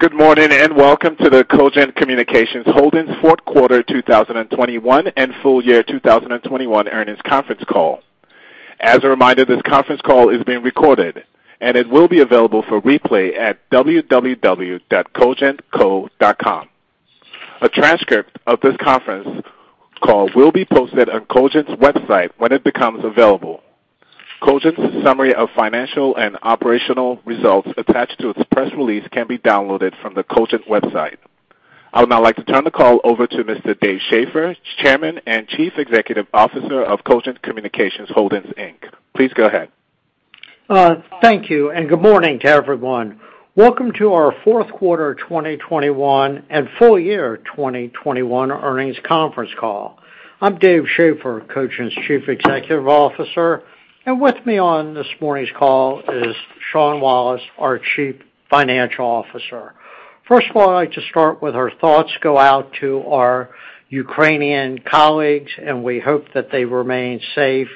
Good morning, and welcome to the Cogent Communications Holdings fourth quarter 2021 and full year 2021 earnings conference call. As a reminder, this conference call is being recorded and it will be available for replay at www.cogentco.com. A transcript of this conference call will be posted on Cogent's website when it becomes available. Cogent's summary of financial and operational results attached to its press release can be downloaded from the Cogent website. I would now like to turn the call over to Mr. Dave Schaeffer, Chairman and Chief Executive Officer of Cogent Communications Holdings, Inc. Please go ahead. Thank you, and good morning to everyone. Welcome to our fourth quarter 2021 and full year 2021 earnings conference call. I'm Dave Schaeffer, Cogent's Chief Executive Officer, and with me on this morning's call is Sean Wallace, our Chief Financial Officer. First of all, I'd like to start with our thoughts go out to our Ukrainian colleagues, and we hope that they remain safe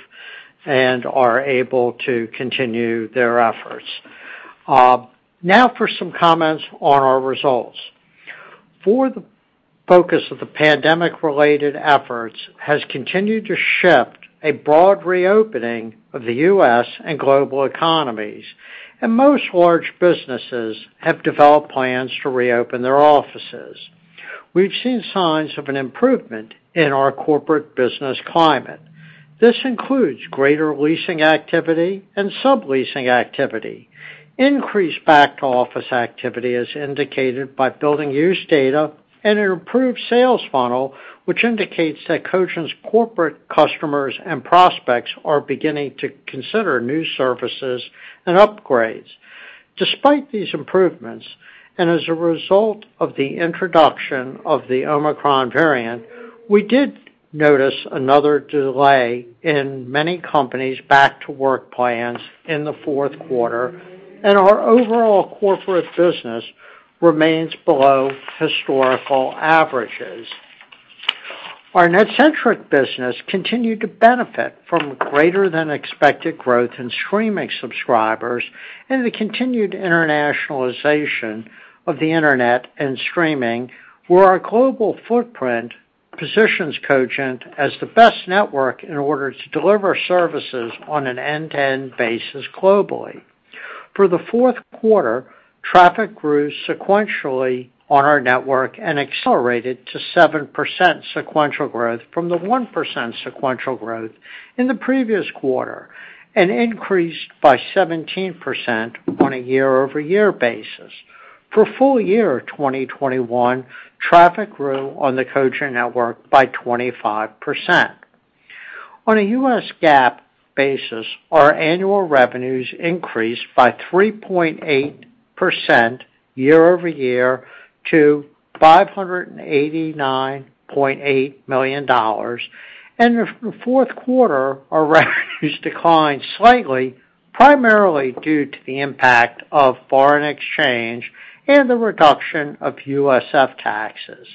and are able to continue their efforts. Now for some comments on our results. For the focus of the pandemic-related efforts has continued to shift to a broad reopening of the U.S. and global economies, and most large businesses have developed plans to reopen their offices. We've seen signs of an improvement in our corporate business climate. This includes greater leasing activity and subleasing activity. Increased back-to-office activity is indicated by building use data and an improved sales funnel, which indicates that Cogent's corporate customers and prospects are beginning to consider new services and upgrades. Despite these improvements, and as a result of the introduction of the Omicron variant, we did notice another delay in many companies' back-to-work plans in the fourth quarter, and our overall corporate business remains below historical averages. Our NetCentric business continued to benefit from greater than expected growth in streaming subscribers and the continued internationalization of the internet and streaming, where our global footprint positions Cogent as the best network in order to deliver services on an end-to-end basis globally. For the fourth quarter, traffic grew sequentially on our network and accelerated to 7% sequential growth from the 1% sequential growth in the previous quarter, and increased by 17% on a year-over-year basis. For full year 2021, traffic grew on the Cogent network by 25%. On a US GAAP basis, our annual revenues increased by 3.8% year-over-year to $589.8 million. In the fourth quarter, our revenues declined slightly, primarily due to the impact of foreign exchange and the reduction of USF taxes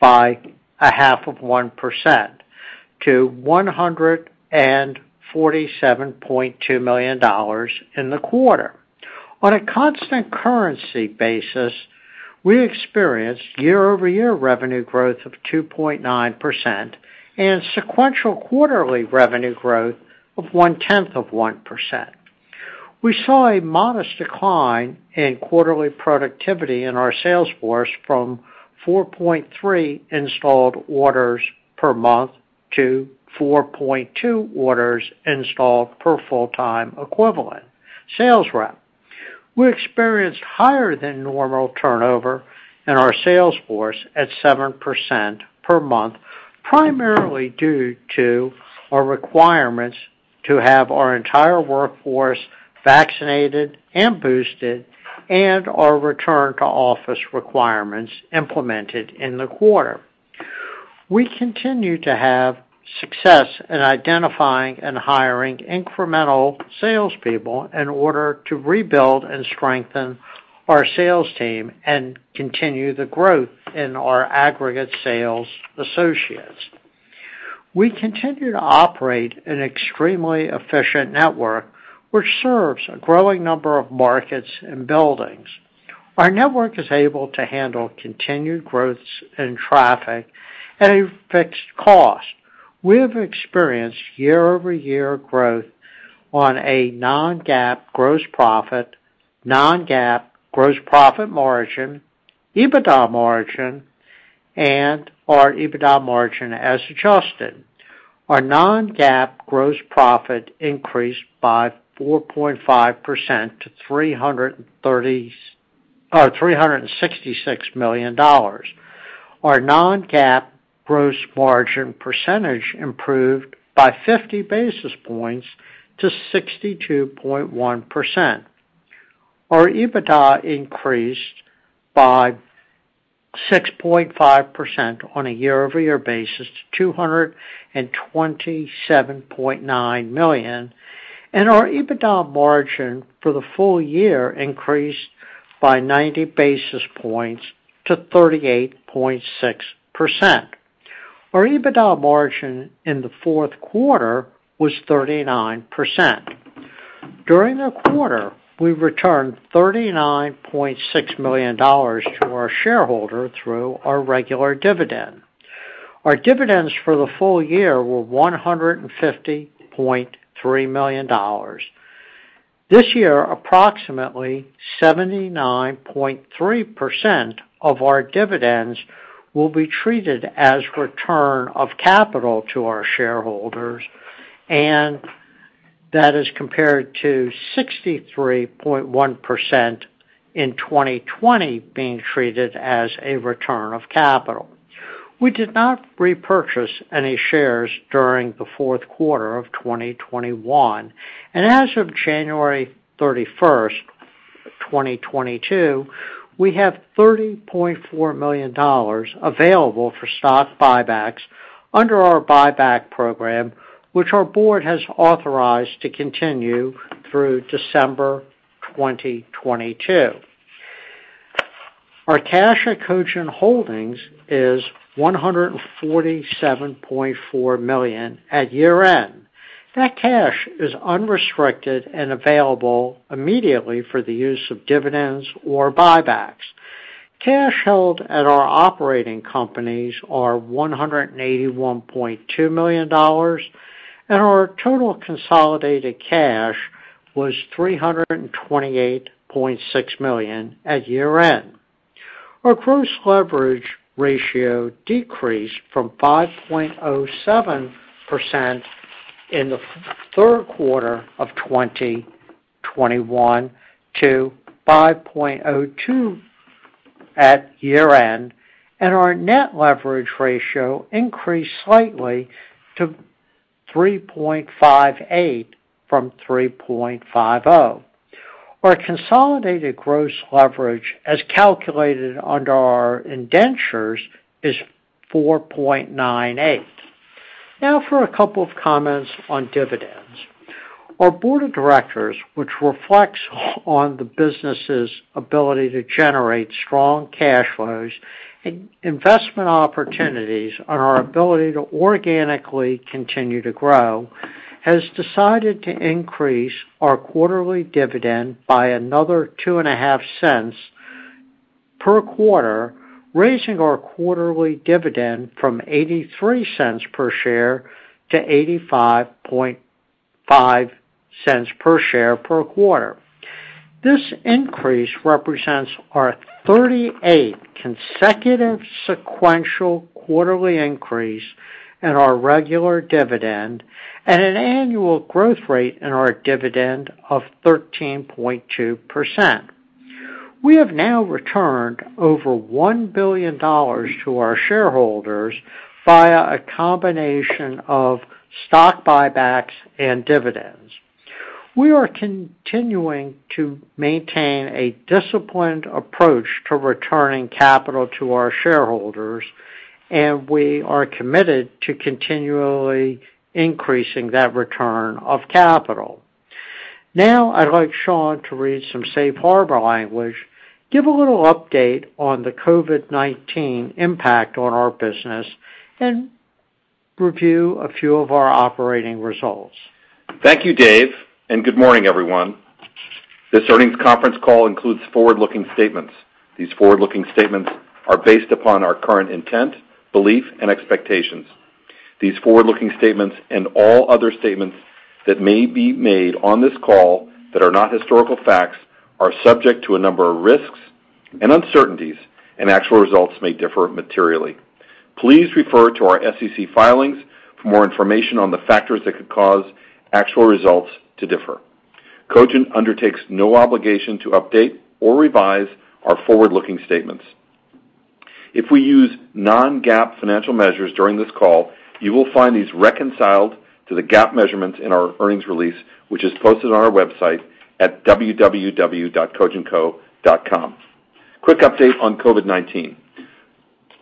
by 0.5% to $147.2 million in the quarter. On a constant currency basis, we experienced year-over-year revenue growth of 2.9% and sequential quarterly revenue growth of 0.1%. We saw a modest decline in quarterly productivity in our sales force from 4.3 installed orders per month to 4.2 orders installed per full-time equivalent sales rep. We experienced higher than normal turnover in our sales force at 7% per month, primarily due to our requirements to have our entire workforce vaccinated and boosted, and our return to office requirements implemented in the quarter. We continue to have success in identifying and hiring incremental salespeople in order to rebuild and strengthen our sales team and continue the growth in our aggregate sales associates. We continue to operate an extremely efficient network, which serves a growing number of markets and buildings. Our network is able to handle continued growths in traffic at a fixed cost. We have experienced year-over-year growth on a non-GAAP gross profit, non-GAAP gross profit margin, EBITDA margin, and our EBITDA margin as adjusted. Our non-GAAP gross profit increased by 4.5% to $366 million. Our non-GAAP gross margin percentage improved by 50 basis points to 62.1%. Our EBITDA increased by 6.5% on a year-over-year basis to $227.9 million, and our EBITDA margin for the full year increased by 90 basis points to 38.6%. Our EBITDA margin in the fourth quarter was 39%. During the quarter, we returned $39.6 million to our shareholder through our regular dividend. Our dividends for the full year were $150.3 million. This year, approximately 79.3% of our dividends will be treated as return of capital to our shareholders, and that is compared to 63.1% in 2020 being treated as a return of capital. We did not repurchase any shares during the fourth quarter of 2021, and as of January 31st, 2022, we have $30.4 million available for stock buybacks under our buyback program, which our board has authorized to continue through December 2022. Our cash at Cogent Holdings is $147.4 million at year-end. That cash is unrestricted and available immediately for the use of dividends or buybacks. Cash held at our operating companies are $181.2 million, and our total consolidated cash was $328.6 million at year-end. Our gross leverage ratio decreased from 5.07% in the third quarter of 2021 to 5.02% at year-end, and our net leverage ratio increased slightly to 3.58% from 3.50%. Our consolidated gross leverage, as calculated under our indentures, is 4.98. Now for a couple of comments on dividends. Our board of directors, which reflects on the business's ability to generate strong cash flows and investment opportunities and our ability to organically continue to grow, has decided to increase our quarterly dividend by another $0.025 per quarter, raising our quarterly dividend from $0.83 per share to $0.855 per share per quarter. This increase represents our 38 consecutive sequential quarterly increase in our regular dividend at an annual growth rate in our dividend of 13.2%. We have now returned over $1 billion to our shareholders via a combination of stock buybacks and dividends. We are continuing to maintain a disciplined approach to returning capital to our shareholders, and we are committed to continually increasing that return of capital. Now I'd like Sean to read some safe harbor language, give a little update on the COVID-19 impact on our business, and review a few of our operating results. Thank you, Dave, and good morning, everyone. This earnings conference call includes forward-looking statements. These forward-looking statements are based upon our current intent, belief, and expectations. These forward-looking statements and all other statements that may be made on this call that are not historical facts are subject to a number of risks and uncertainties, and actual results may differ materially. Please refer to our SEC filings for more information on the factors that could cause actual results to differ. Cogent undertakes no obligation to update or revise our forward-looking statements. If we use non-GAAP financial measures during this call, you will find these reconciled to the GAAP measurements in our earnings release, which is posted on our website at www.cogentco.com. Quick update on COVID-19.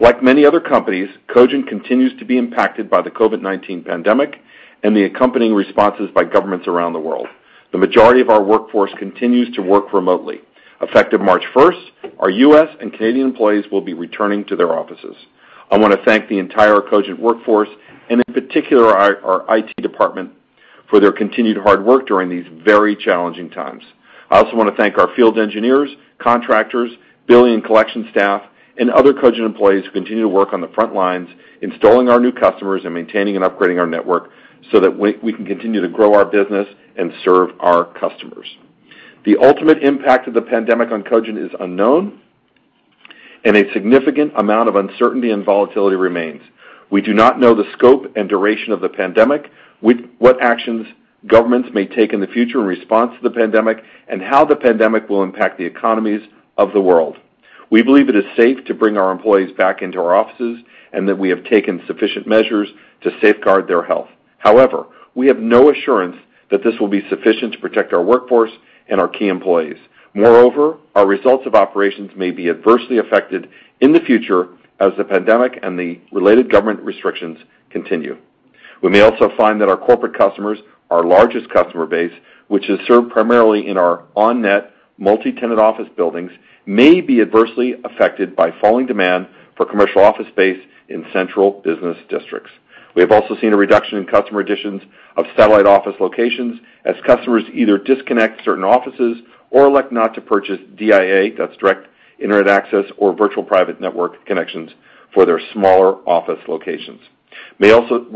Like many other companies, Cogent continues to be impacted by the COVID-19 pandemic and the accompanying responses by governments around the world, The majority of our workforce continues to work remotely. Effective March 1st, our U.S. and Canadian employees will be returning to their offices. I wanna thank the entire Cogent workforce, and in particular our IT department for their continued hard work during these very challenging times. I also wanna thank our field engineers, contractors, billing and collection staff, and other Cogent employees who continue to work on the front lines, installing our new customers and maintaining and upgrading our network so that we can continue to grow our business and serve our customers. The ultimate impact of the pandemic on Cogent is unknown, and a significant amount of uncertainty and volatility remains. We do not know the scope and duration of the pandemic, what actions governments may take in the future in response to the pandemic, and how the pandemic will impact the economies of the world. We believe it is safe to bring our employees back into our offices, and that we have taken sufficient measures to safeguard their health. However, we have no assurance that this will be sufficient to protect our workforce and our key employees. Moreover, our results of operations may be adversely affected in the future as the pandemic and the related government restrictions continue. We may also find that our corporate customers, our largest customer base, which is served primarily in our on-net multi-tenant office buildings, may be adversely affected by falling demand for commercial office space in central business districts. We have also seen a reduction in customer additions of satellite office locations as customers either disconnect certain offices or elect not to purchase DIA, that's Direct Internet Access, or virtual private network connections for their smaller office locations. We may also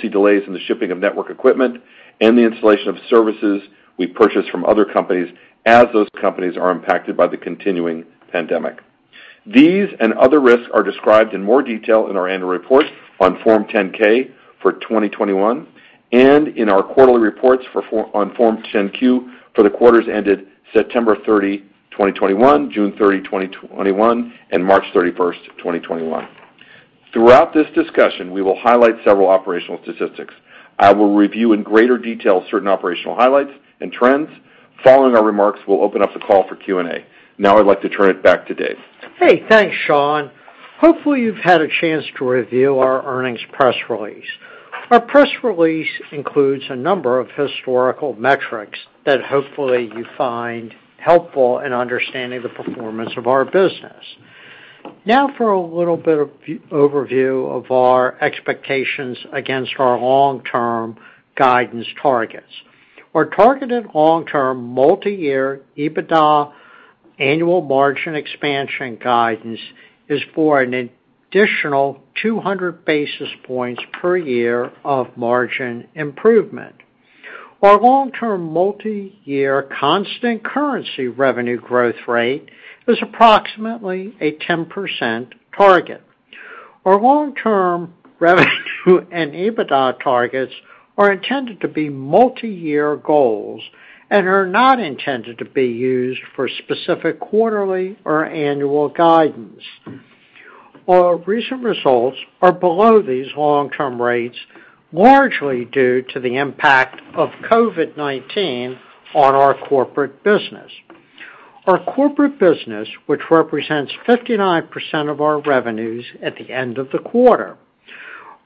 see delays in the shipping of network equipment and the installation of services we purchase from other companies as those companies are impacted by the continuing pandemic. These and other risks are described in more detail in our annual report on Form 10-K for 2021, and in our quarterly reports on Form 10-Q for the quarters ended September 30, 2021, June 30, 2021, and March 31st, 2021. Throughout this discussion, we will highlight several operational statistics. I will review in greater detail certain operational highlights and trends. Following our remarks, we'll open up the call for Q&A. Now I'd like to turn it back to Dave. Hey, thanks, Sean. Hopefully, you've had a chance to review our earnings press release. Our press release includes a number of historical metrics that hopefully you find helpful in understanding the performance of our business. Now for a little bit of overview of our expectations against our long-term guidance targets. Our targeted long-term multi-year EBITDA annual margin expansion guidance is for an additional 200 basis points per year of margin improvement. Our long-term multi-year constant currency revenue growth rate is approximately a 10% target. Our long-term revenue and EBITDA targets are intended to be multi-year goals and are not intended to be used for specific quarterly or annual guidance. Our recent results are below these long-term rates, largely due to the impact of COVID-19 on our corporate business. Our corporate business, which represents 59% of our revenues at the end of the quarter.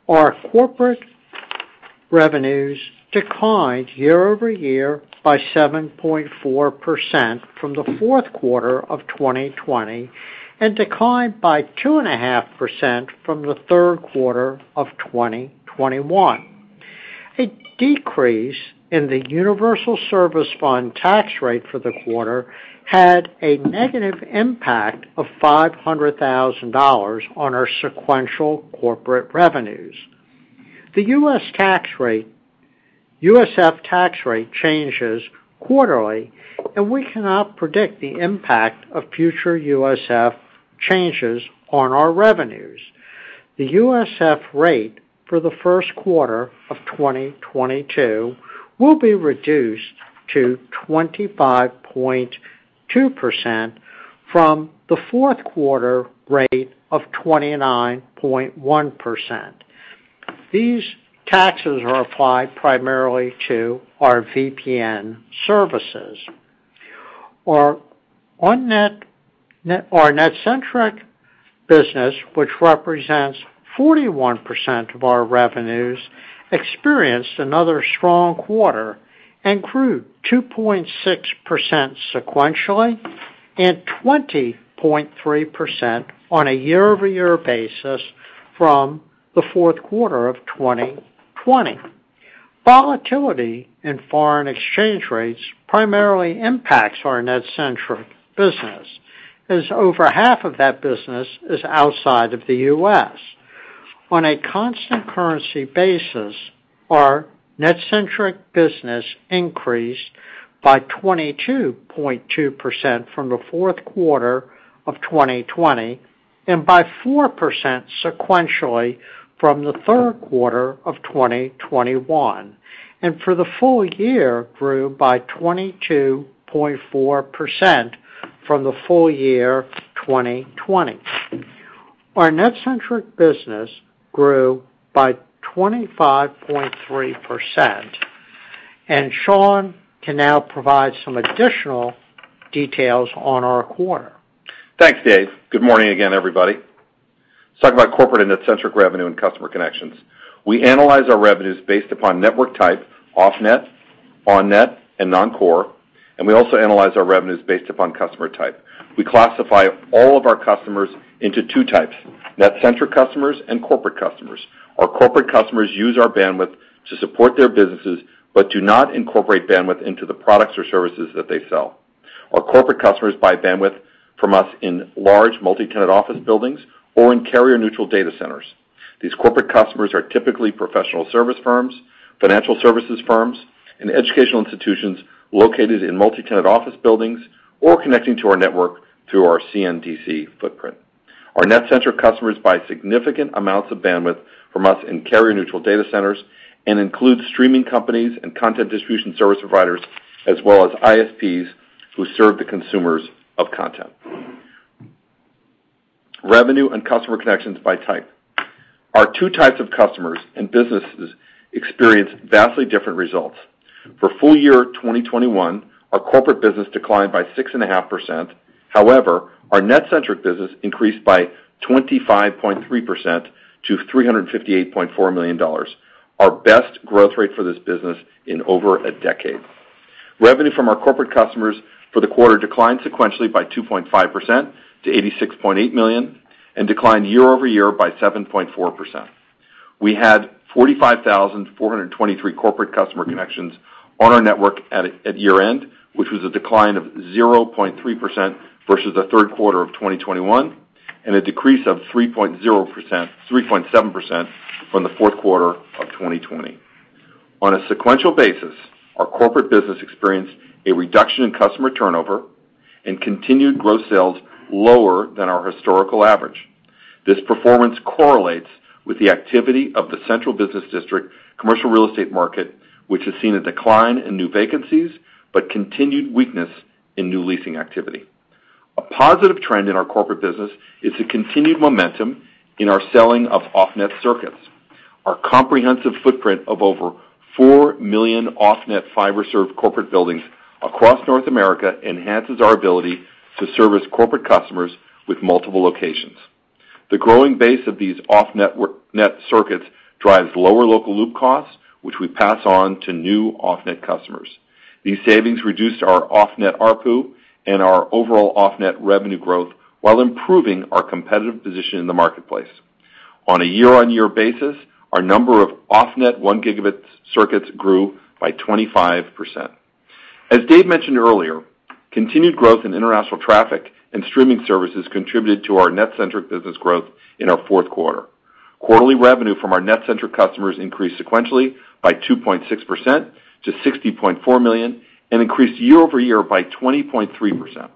Our corporate revenues declined year over year by 7.4% from the fourth quarter of 2020, and declined by 2.5% from the third quarter of 2021. A decrease in the Universal Service Fund tax rate for the quarter had a negative impact of $500,000 on our sequential corporate revenues. The USF tax rate changes quarterly, and we cannot predict the impact of future USF changes on our revenues. The USF rate for the first quarter of 2022 will be reduced to 25.2% from the fourth quarter rate of 29.1%. These taxes are applied primarily to our VPN services. Our NetCentric business, which represents 41% of our revenues, experienced another strong quarter and grew 2.6% sequentially and 20.3% on a year-over-year basis from the fourth quarter of 2020. Volatility in foreign exchange rates primarily impacts our NetCentric business, as over half of that business is outside of the U.S. On a constant currency basis, our NetCentric business increased by 22.2% from the fourth quarter of 2020, and by 4% sequentially from the third quarter of 2021. For the full year, grew by 22.4% from the full year 2020. Our NetCentric business grew by 25.3%, and Sean can now provide some additional details on our quarter. Thanks, Dave. Good morning again, everybody. Let's talk about corporate and NetCentric revenue and customer connections. We analyze our revenues based upon network type, off-net, on-net, and non-core, and we also analyze our revenues based upon customer type. We classify all of our customers into two types, NetCentric customers and corporate customers. Our corporate customers use our bandwidth to support their businesses, but do not incorporate bandwidth into the products or services that they sell. Our corporate customers buy bandwidth from us in large multi-tenant office buildings or in carrier-neutral data centers. These corporate customers are typically professional service firms, financial services firms, and educational institutions located in multi-tenant office buildings or connecting to our network through our CNDC footprint. Our NetCentric customers buy significant amounts of bandwidth from us in carrier-neutral data centers and include streaming companies and content distribution service providers, as well as ISPs who serve the consumers of content. Revenue and customer connections by type. Our two types of customers and businesses experience vastly different results. For full year 2021, our corporate business declined by 6.5%. However, our NetCentric business increased by 25.3% to $358.4 million, our best growth rate for this business in over a decade. Revenue from our corporate customers for the quarter declined sequentially by 2.5% to $86.8 million, and declined year over year by 7.4%. We had 45,423 corporate customer connections on our network at year-end, which was a decline of 0.3% versus the third quarter of 2021, and a decrease of 3.7% from the fourth quarter of 2020. On a sequential basis, our corporate business experienced a reduction in customer turnover and continued gross sales lower than our historical average. This performance correlates with the activity of the central business district commercial real estate market, which has seen a decline in new vacancies but continued weakness in new leasing activity. A positive trend in our corporate business is the continued momentum in our selling of off-net circuits. Our comprehensive footprint of over 4 million off-net fiber-served corporate buildings across North America enhances our ability to service corporate customers with multiple locations. The growing base of these off-net circuits drives lower local loop costs, which we pass on to new off-net customers. These savings reduced our off-net ARPU and our overall off-net revenue growth while improving our competitive position in the marketplace. On a year-on-year basis, our number of off-net one gigabit circuits grew by 25%. As Dave mentioned earlier, continued growth in international traffic and streaming services contributed to our NetCentric business growth in our fourth quarter. Quarterly revenue from our NetCentric customers increased sequentially by 2.6% to $60.4 million, and increased year-over-year by 20.3%.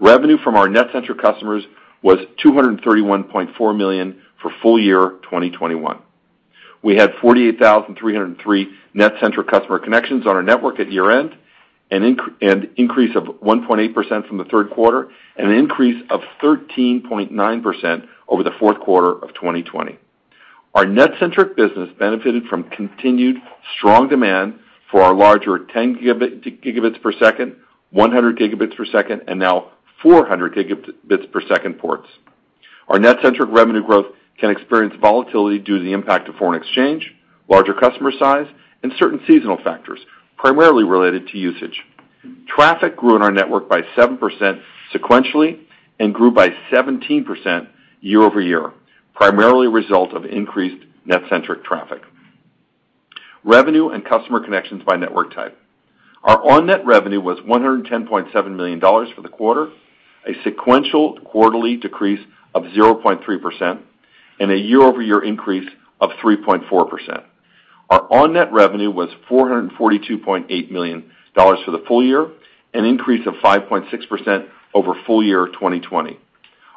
Revenue from our NetCentric customers was $231.4 million for full year 2021. We had 48,303 NetCentric customer connections on our network at year-end, an increase of 1.8% from the third quarter, and an increase of 13.9% over the fourth quarter of 2020. Our NetCentric business benefited from continued strong demand for our larger 10 Gbps, 100 Gbps, and now 400 Gbps ports. Our NetCentric revenue growth can experience volatility due to the impact of foreign exchange, larger customer size, and certain seasonal factors, primarily related to usage. Traffic grew in our network by 7% sequentially and grew by 17% year-over-year, primarily a result of increased NetCentric traffic. Revenue and customer connections by network type. Our on-net revenue was $110.7 million for the quarter, a sequential quarterly decrease of 0.3%, and a year-over-year increase of 3.4%. Our on-net revenue was $442.8 million for the full year, an increase of 5.6% over full year 2020.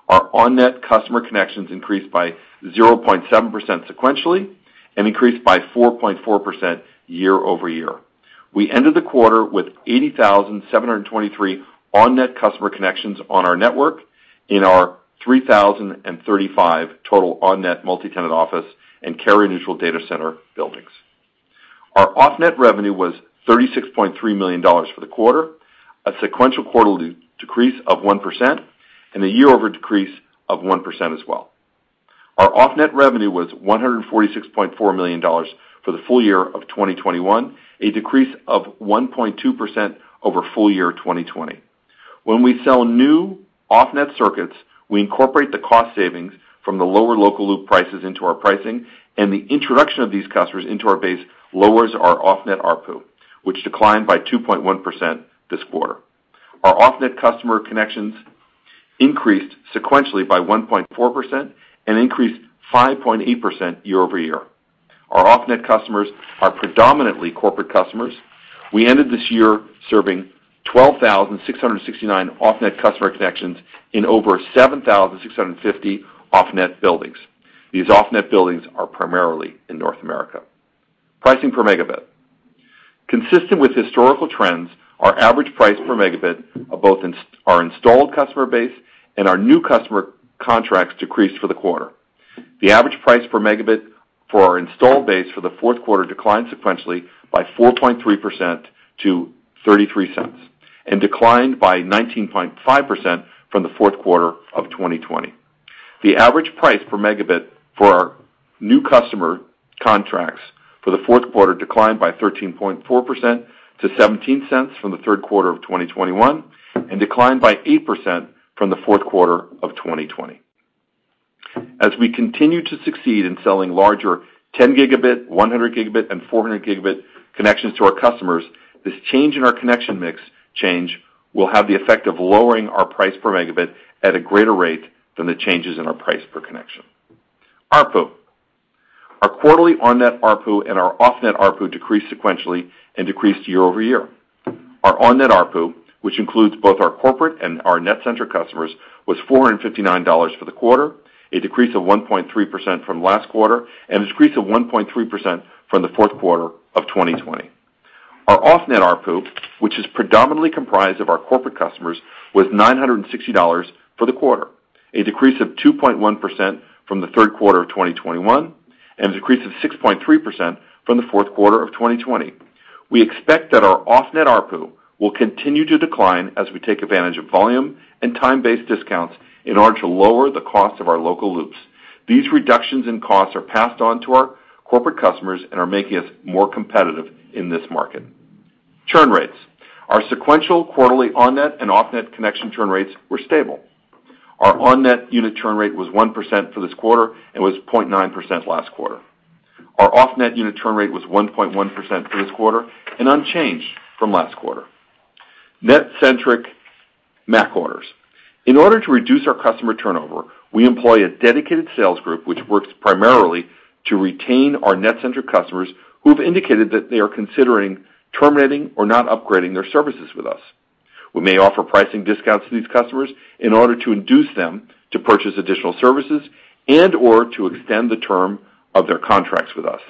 Our on-net customer connections increased by 0.7% sequentially and increased by 4.4% year-over-year. We ended the quarter with 80,723 on-net customer connections on our network in our 3,035 total on-net multi-tenant office and carrier-neutral data center buildings. Our off-net revenue was $36.3 million for the quarter, a sequential quarterly decrease of 1%, and a year-over-year decrease of 1% as well. Our off-net revenue was $146.4 million for the full year of 2021, a decrease of 1.2% over full year 2020. When we sell new off-net circuits, we incorporate the cost savings from the lower local loop prices into our pricing, and the introduction of these customers into our base lowers our off-net ARPU, which declined by 2.1% this quarter. Our off-net customer connections increased sequentially by 1.4% and increased 5.8% year-over-year. Our off-net customers are predominantly corporate customers. We ended this year serving 12,669 off-net customer connections in over 7,650 off-net buildings. These off-net buildings are primarily in North America. Pricing per megabit. Consistent with historical trends, our average price per megabit of both our installed customer base and our new customer contracts decreased for the quarter. The average price per megabit for our installed base for the fourth quarter declined sequentially by 4.3% to $0.33, and declined by 19.5% from the fourth quarter of 2020. The average price per megabit for our new customer contracts for the fourth quarter declined by 13.4% to $0.17 from the third quarter of 2021, and declined by 8% from the fourth quarter of 2020. As we continue to succeed in selling larger 10 Gb, 100 Gb, and 400 Gb connections to our customers, this change in our connection mix will have the effect of lowering our price per megabit at a greater rate than the changes in our price per connection. ARPU. Our quarterly on-net ARPU and our off-net ARPU decreased sequentially and decreased year over year. Our on-net ARPU, which includes both our corporate and our NetCentric customers, was $459 for the quarter, a decrease of 1.3% from last quarter, and a decrease of 1.3% from the fourth quarter of 2020. Our off-net ARPU, which is predominantly comprised of our corporate customers, was $960 for the quarter. A decrease of 2.1% from the third quarter of 2021, and a decrease of 6.3% from the fourth quarter of 2020. We expect that our off-net ARPU will continue to decline as we take advantage of volume and time-based discounts in order to lower the cost of our local loops. These reductions in costs are passed on to our corporate customers and are making us more competitive in this market. Churn rates. Our sequential quarterly on-net and off-net connection churn rates were stable. Our on-net unit churn rate was 1% for this quarter and was 0.9% last quarter. Our off-net unit churn rate was 1.1% for this quarter and unchanged from last quarter. NetCentric MAC orders. In order to reduce our customer turnover, we employ a dedicated sales group which works primarily to retain our NetCentric customers who have indicated that they are considering terminating or not upgrading their services with us. We may offer pricing discounts to these customers in order to induce them to purchase additional services and/or to extend the term of their contracts with us.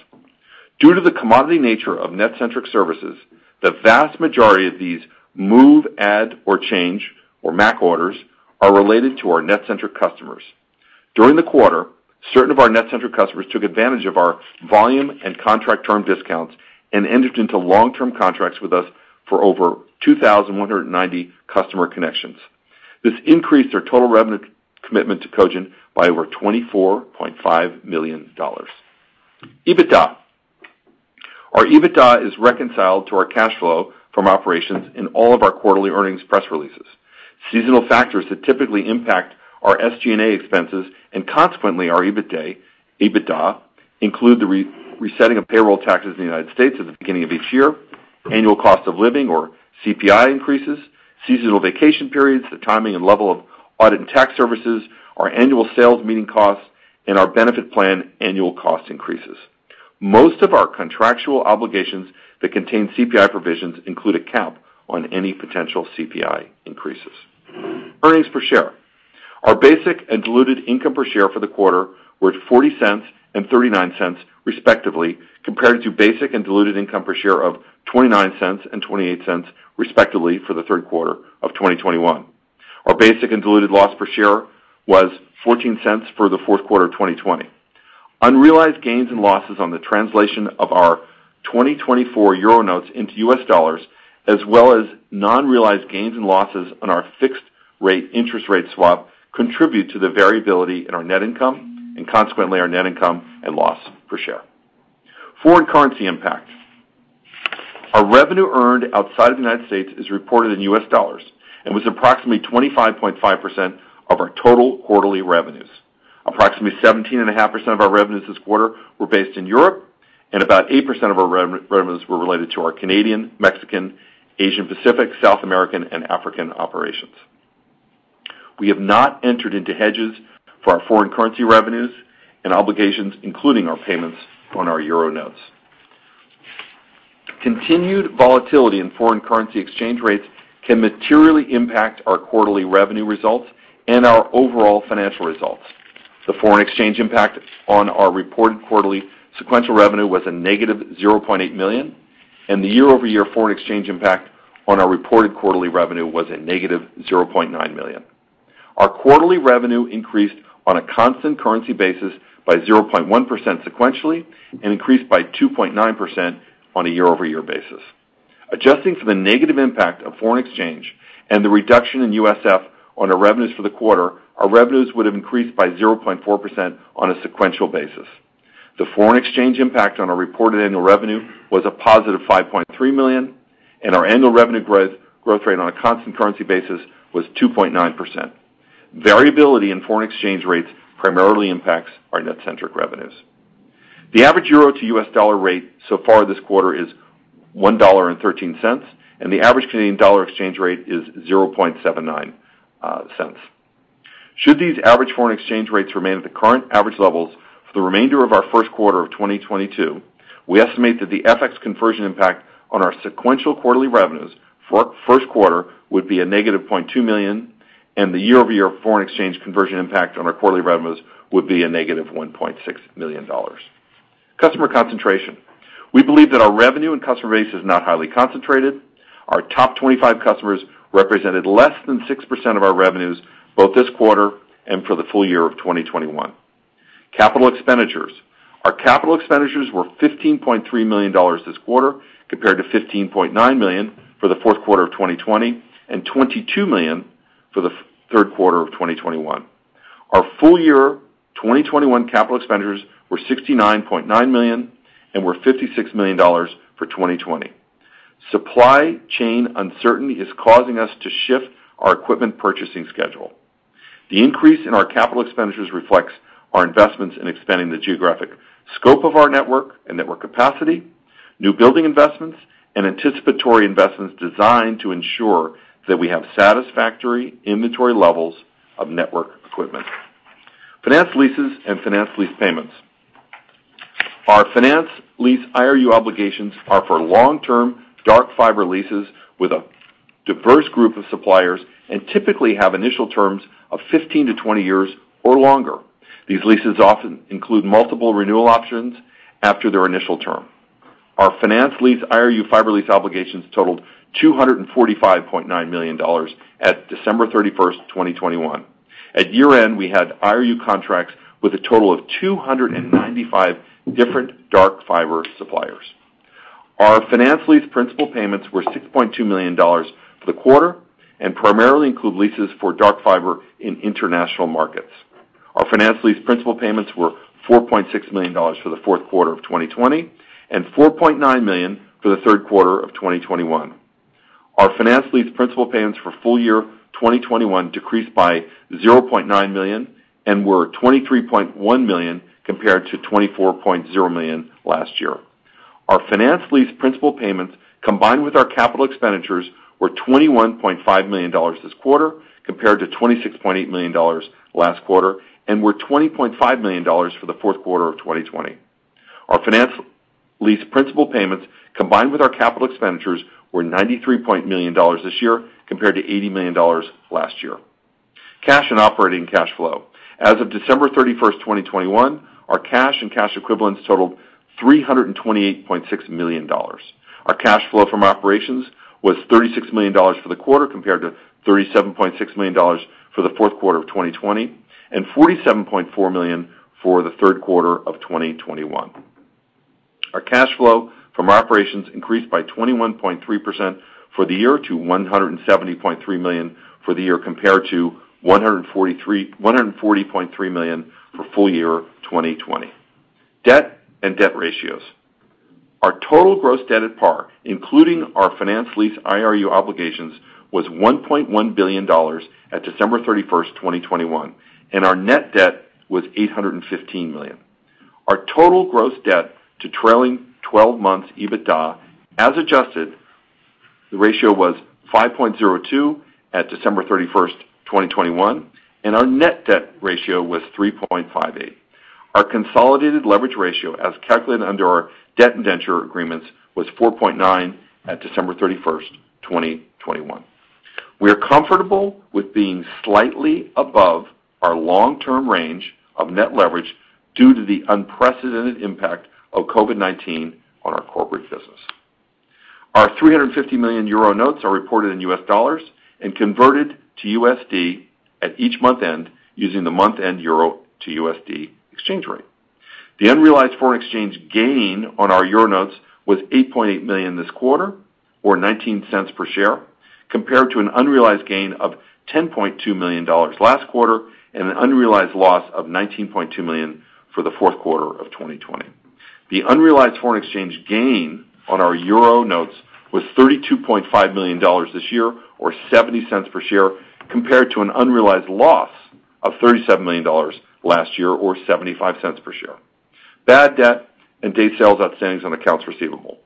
Due to the commodity nature of NetCentric services, the vast majority of these move, add or change, or MAC orders, are related to our NetCentric customers. During the quarter, certain of our NetCentric customers took advantage of our volume and contract term discounts and entered into long-term contracts with us for over 2,190 customer connections. This increased our total revenue commitment to Cogent by over $24.5 million. EBITDA. Our EBITDA is reconciled to our cash flow from operations in all of our quarterly earnings press releases. Seasonal factors that typically impact our SG&A expenses, and consequently our EBITDA, include the resetting of payroll taxes in the United States at the beginning of each year, annual cost of living or CPI increases, seasonal vacation periods, the timing and level of audit and tax services, our annual sales meeting costs, and our benefit plan annual cost increases. Most of our contractual obligations that contain CPI provisions include a cap on any potential CPI increases. Earnings per share. Our basic and diluted income per share for the quarter were $0.40 and $0.39, respectively, compared to basic and diluted income per share of $0.29 and $0.28, respectively, for the third quarter of 2021. Our basic and diluted loss per share was $0.14 for the fourth quarter of 2020. Unrealized gains and losses on the translation of our 2024 euro notes into US dollars, as well as unrealized gains and losses on our fixed rate interest rate swap, contribute to the variability in our net income and consequently our net income and loss per share. Foreign currency impact. Our revenue earned outside of the United States is reported in US dollars and was approximately 25.5% of our total quarterly revenues. Approximately 17.5% of our revenues this quarter were based in Europe, and about 8% of our revenues were related to our Canadian, Mexican, Asian, Pacific, South American, and African operations. We have not entered into hedges for our foreign currency revenues and obligations, including our payments on our euro notes. Continued volatility in foreign currency exchange rates can materially impact our quarterly revenue results and our overall financial results. The foreign exchange impact on our reported quarterly sequential revenue was a negative $0.8 million, and the year-over-year foreign exchange impact on our reported quarterly revenue was a negative $0.9 million. Our quarterly revenue increased on a constant currency basis by 0.1% sequentially and increased by 2.9% on a year-over-year basis. Adjusting for the negative impact of foreign exchange and the reduction in USF on our revenues for the quarter, our revenues would have increased by 0.4% on a sequential basis. The foreign exchange impact on our reported annual revenue was a positive $5.3 million, and our annual revenue growth rate on a constant currency basis was 2.9%. Variability in foreign exchange rates primarily impacts our NetCentric revenues. The average euro to US dollar rate so far this quarter is $1.13, and the average Canadian dollar exchange rate is 0.79 cents. Should these average foreign exchange rates remain at the current average levels for the remainder of our first quarter of 2022, we estimate that the FX conversion impact on our sequential quarterly revenues for first quarter would be -$0.2 million, and the year-over-year foreign exchange conversion impact on our quarterly revenues would be -$1.6 million. Customer concentration. We believe that our revenue and customer base is not highly concentrated. Our top 25 customers represented less than 6% of our revenues both this quarter and for the full year of 2021. Capital expenditures. Our capital expenditures were $15.3 million this quarter, compared to $15.9 million for the fourth quarter of 2020 and $22 million for the third quarter of 2021. Our full year 2021 capital expenditures were $69.9 million and were $56 million for 2020. Supply chain uncertainty is causing us to shift our equipment purchasing schedule. The increase in our capital expenditures reflects our investments in expanding the geographic scope of our network and network capacity, new building investments, and anticipatory investments designed to ensure that we have satisfactory inventory levels of network equipment. Finance leases and finance lease payments. Our finance lease IRU obligations are for long-term dark fiber leases with a diverse group of suppliers and typically have initial terms of 15 to 20 years or longer. These leases often include multiple renewal options after their initial term. Our finance lease IRU fiber lease obligations totaled $245.9 million at December 31st, 2021. At year-end, we had IRU contracts with a total of 295 different dark fiber suppliers. Our finance lease principal payments were $6.2 million for the quarter and primarily include leases for dark fiber in international markets. Our finance lease principal payments were $4.6 million for the fourth quarter of 2020, and $4.9 million for the third quarter of 2021. Our finance lease principal payments for full year 2021 decreased by $0.9 million and were $23.1 million compared to $24.0 million last year. Our finance lease principal payments, combined with our capital expenditures, were $21.5 million this quarter compared to $26.8 million last quarter, and were $20.5 million for the fourth quarter of 2020. Our finance lease principal payments, combined with our capital expenditures, were $93 million this year compared to $80 million last year. Cash and operating cash flow. As of December 31st, 2021, our cash and cash equivalents totaled $328.6 million. Our cash flow from operations was $36 million for the quarter compared to $37.6 million for the fourth quarter of 2020, and $47.4 million for the third quarter of 2021. Our cash flow from operations increased by 21.3% for the year to $170.3 million for the year compared to $140.3 million for full year 2020. Debt and debt ratios. Our total gross debt at par, including our finance lease IRU obligations, was $1.1 billion at December 31, 2021, and our net debt was $815 million. Our total gross debt to trailing 12-months EBITDA, as adjusted, the ratio was 5.02 at December 31st, 2021, and our net debt ratio was 3.58. Our consolidated leverage ratio, as calculated under our debt indenture agreements, was 4.9 at December 31st, 2021. We are comfortable with being slightly above our long-term range of net leverage due to the unprecedented impact of COVID-19 on our corporate business. Our 350 million euro notes are reported in US dollars and converted to USD at each month-end using the month-end euro to USD exchange rate. The unrealized foreign exchange gain on our euro notes was $8.8 million this quarter or $0.19 per share, compared to an unrealized gain of $10.2 million last quarter and an unrealized loss of $19.2 million for the fourth quarter of 2020. The unrealized foreign exchange gain on our euro notes was $32.5 million this year or $0.70 per share, compared to an unrealized loss of $37 million last year or $0.75 per share. Bad debt and days sales outstanding on accounts receivable.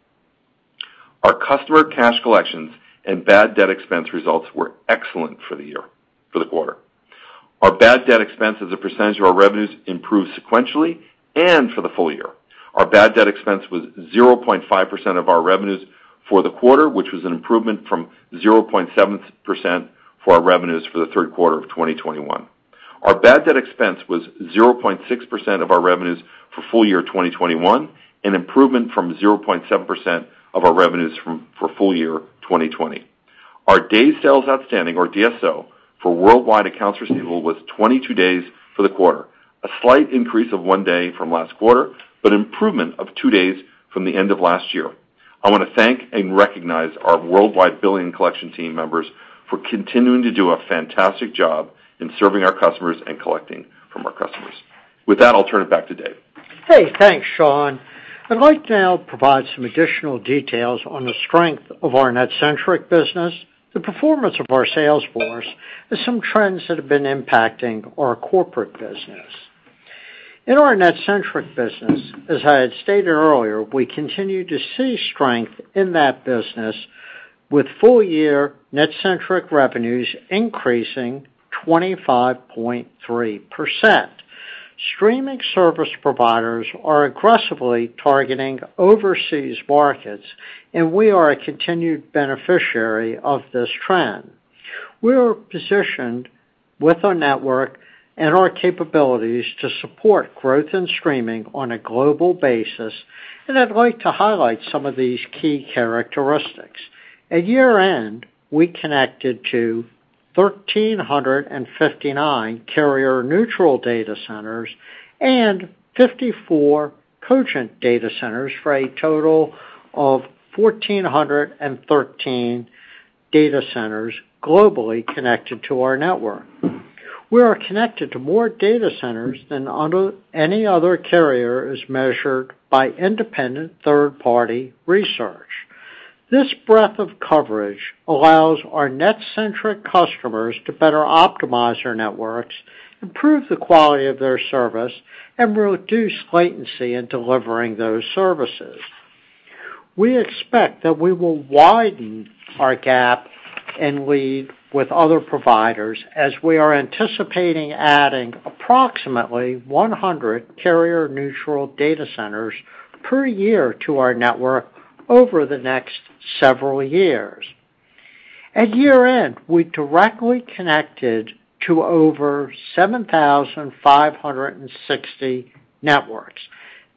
Our customer cash collections and bad debt expense results were excellent for the quarter. Our bad debt expense as a percentage of our revenues improved sequentially and for the full year. Our bad debt expense was 0.5% of our revenues for the quarter, which was an improvement from 0.7% of our revenues for the third quarter of 2021. Our bad debt expense was 0.6% of our revenues for full year 2021, an improvement from 0.7% of our revenues for full year 2020. Our days sales outstanding, or DSO, for worldwide accounts receivable was 22 days for the quarter, a slight increase of one day from last quarter, but improvement of two days from the end of last year. I want to thank and recognize our worldwide billing collection team members for continuing to do a fantastic job in serving our customers and collecting from our customers. With that, I'll turn it back to Dave. Hey, thanks, Sean. I'd like to now provide some additional details on the strength of our NetCentric business, the performance of our sales force, and some trends that have been impacting our corporate business. In our NetCentric business, as I had stated earlier, we continue to see strength in that business with full year NetCentric revenues increasing 25.3%. Streaming service providers are aggressively targeting overseas markets, and we are a continued beneficiary of this trend. We are positioned with our network and our capabilities to support growth and streaming on a global basis, and I'd like to highlight some of these key characteristics. At year-end, we connected to 1,359 carrier-neutral data centers and 54 Cogent data centers for a total of 1,413 data centers globally connected to our network. We are connected to more data centers than under any other carrier as measured by independent third-party research. This breadth of coverage allows our NetCentric customers to better optimize their networks, improve the quality of their service, and reduce latency in delivering those services. We expect that we will widen our gap and lead with other providers as we are anticipating adding approximately 100 carrier-neutral data centers per year to our network over the next several years. At year-end, we directly connected to over 7,560 networks.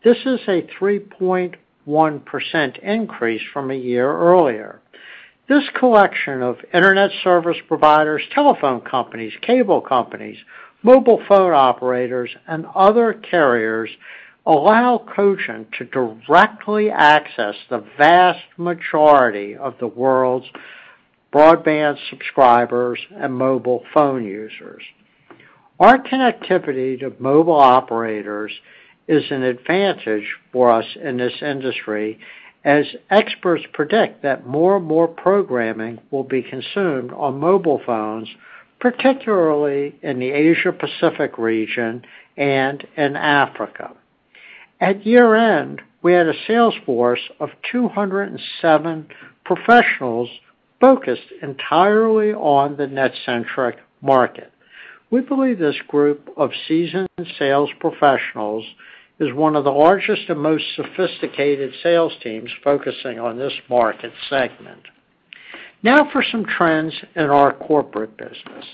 This is a 3.1% increase from a year earlier. This collection of Internet service providers, telephone companies, cable companies, mobile phone operators, and other carriers allow Cogent to directly access the vast majority of the world's broadband subscribers and mobile phone users. Our connectivity to mobile operators is an advantage for us in this industry, as experts predict that more and more programming will be consumed on mobile phones, particularly in the Asia Pacific region and in Africa. At year-end, we had a sales force of 207 professionals focused entirely on the NetCentric market. We believe this group of seasoned sales professionals is one of the largest and most sophisticated sales teams focusing on this market segment. Now for some trends in our corporate business.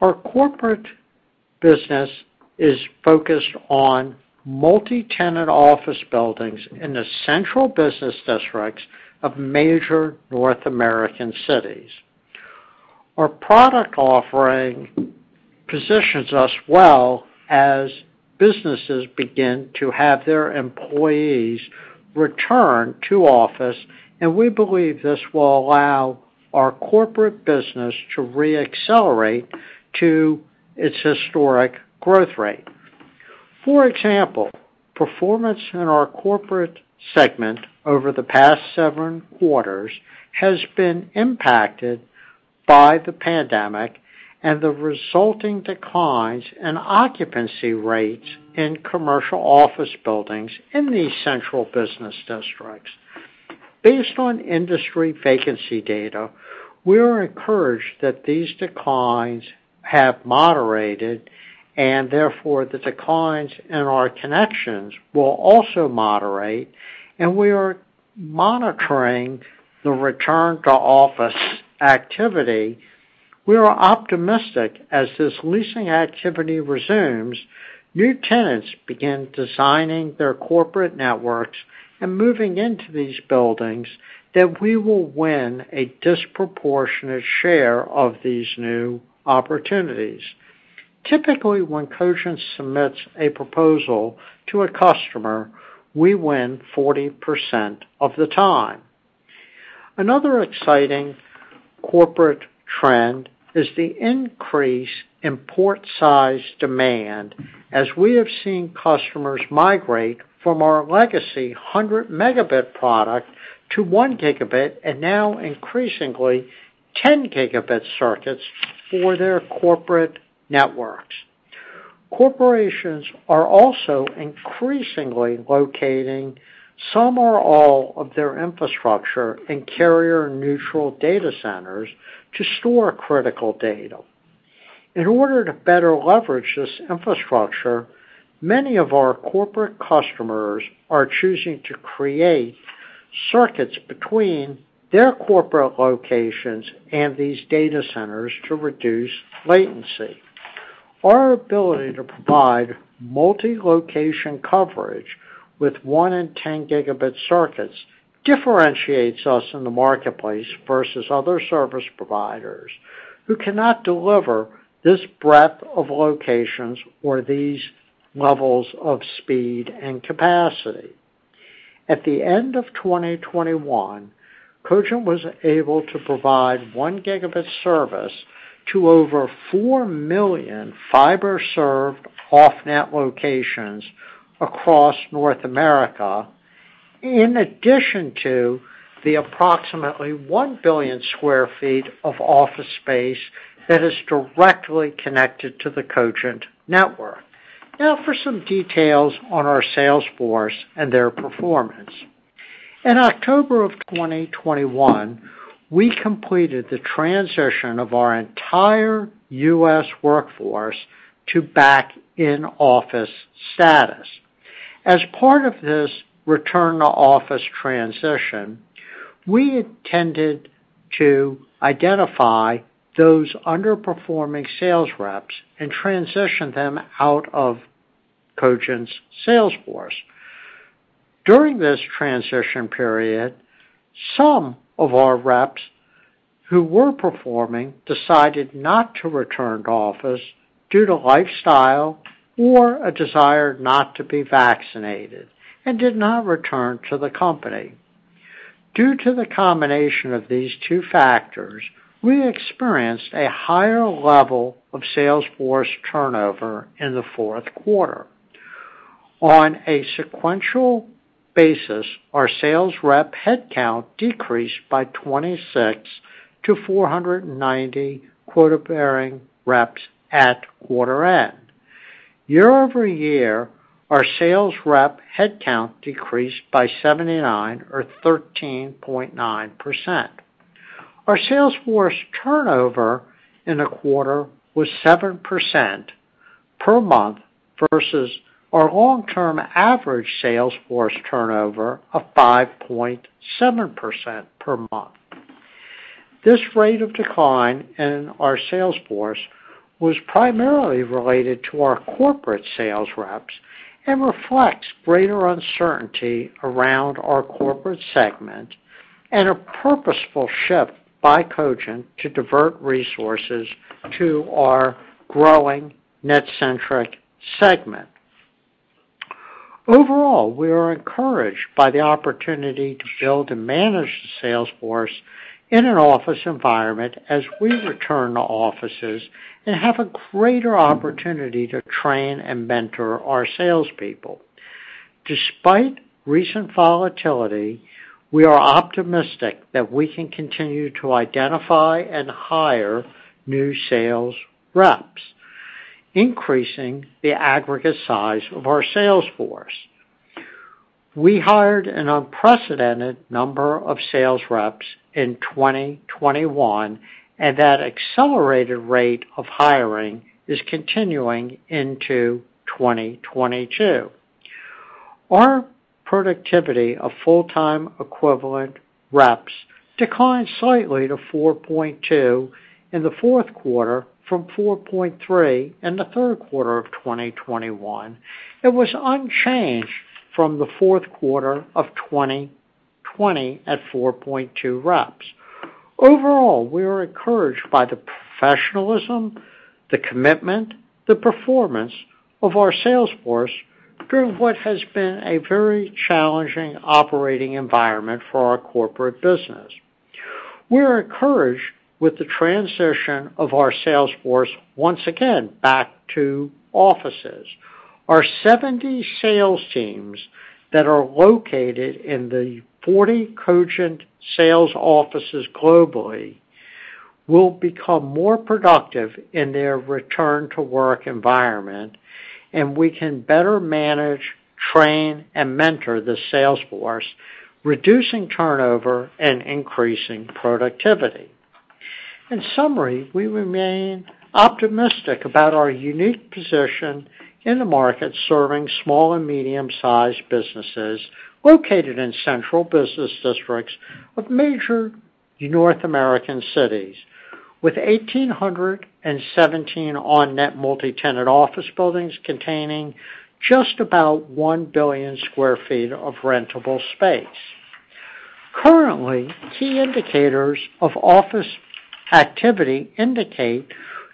Our corporate business is focused on multi-tenant office buildings in the central business districts of major North American cities. Our product offering positions us well as businesses begin to have their employees return to office, and we believe this will allow our corporate business to re-accelerate to its historic growth rate. For example, performance in our corporate segment over the past seven quarters has been impacted by the pandemic and the resulting declines in occupancy rates in commercial office buildings in these central business districts. Based on industry vacancy data, we are encouraged that these declines have moderated and therefore the declines in our connections will also moderate, and we are monitoring the return to office activity. We are optimistic, as this leasing activity resumes, new tenants begin designing their corporate networks and moving into these buildings, that we will win a disproportionate share of these new opportunities. Typically, when Cogent submits a proposal to a customer, we win 40% of the time. Another exciting corporate trend is the increase in port size demand, as we have seen customers migrate from our legacy 100 Mb product to 1 Gb, and now increasingly 10 Gb circuits for their corporate networks. Corporations are also increasingly locating some or all of their infrastructure in carrier-neutral data centers to store critical data. In order to better leverage this infrastructure, many of our corporate customers are choosing to create circuits between their corporate locations and these data centers to reduce latency. Our ability to provide multi-location coverage with 1 Gb and 10 Gb circuits differentiates us in the marketplace versus other service providers who cannot deliver this breadth of locations or these levels of speed and capacity. At the end of 2021, Cogent was able to provide 1 Gb service to over 4 million fiber-served off-net locations across North America, in addition to the approximately 1 billion sq ft of office space that is directly connected to the Cogent network. Now for some details on our sales force and their performance. In October of 2021, we completed the transition of our entire U.S. workforce to back in-office status. As part of this return-to-office transition, we intended to identify those underperforming sales reps and transition them out of Cogent's sales force. During this transition period, some of our reps who were performing decided not to return to office due to lifestyle or a desire not to be vaccinated and did not return to the company. Due to the combination of these two factors, we experienced a higher level of sales force turnover in the fourth quarter. On a sequential basis, our sales rep headcount decreased by 26 to 490 quota-bearing reps at quarter end. Year-over-year, our sales rep headcount decreased by 79 or 13.9%. Our sales force turnover in the quarter was 7% per month versus our long-term average sales force turnover of 5.7% per month. This rate of decline in our sales force was primarily related to our corporate sales reps and reflects greater uncertainty around our corporate segment and a purposeful shift by Cogent to divert resources to our growing NetCentric segment. Overall, we are encouraged by the opportunity to build and manage the sales force in an office environment as we return to offices and have a greater opportunity to train and mentor our salespeople. Despite recent volatility, we are optimistic that we can continue to identify and hire new sales reps, increasing the aggregate size of our sales force. We hired an unprecedented number of sales reps in 2021, and that accelerated rate of hiring is continuing into 2022. Our productivity of full-time equivalent reps declined slightly to 4.2 in the fourth quarter from 4.3 in the third quarter of 2021. It was unchanged from the fourth quarter of 2020 at 4.2 reps. Overall, we are encouraged by the professionalism, the commitment, the performance of our sales force during what has been a very challenging operating environment for our corporate business. We are encouraged with the transition of our sales force once again back to offices. Our 70 sales teams that are located in the 40 Cogent sales offices globally will become more productive in their return to work environment, and we can better manage, train, and mentor the sales force, reducing turnover and increasing productivity. In summary, we remain optimistic about our unique position in the market serving small and medium-sized businesses located in central business districts of major North American cities with 1,817 on net multi-tenant office buildings containing just about 1 billion sq ft of rentable space. Currently, key indicators of office activity indicate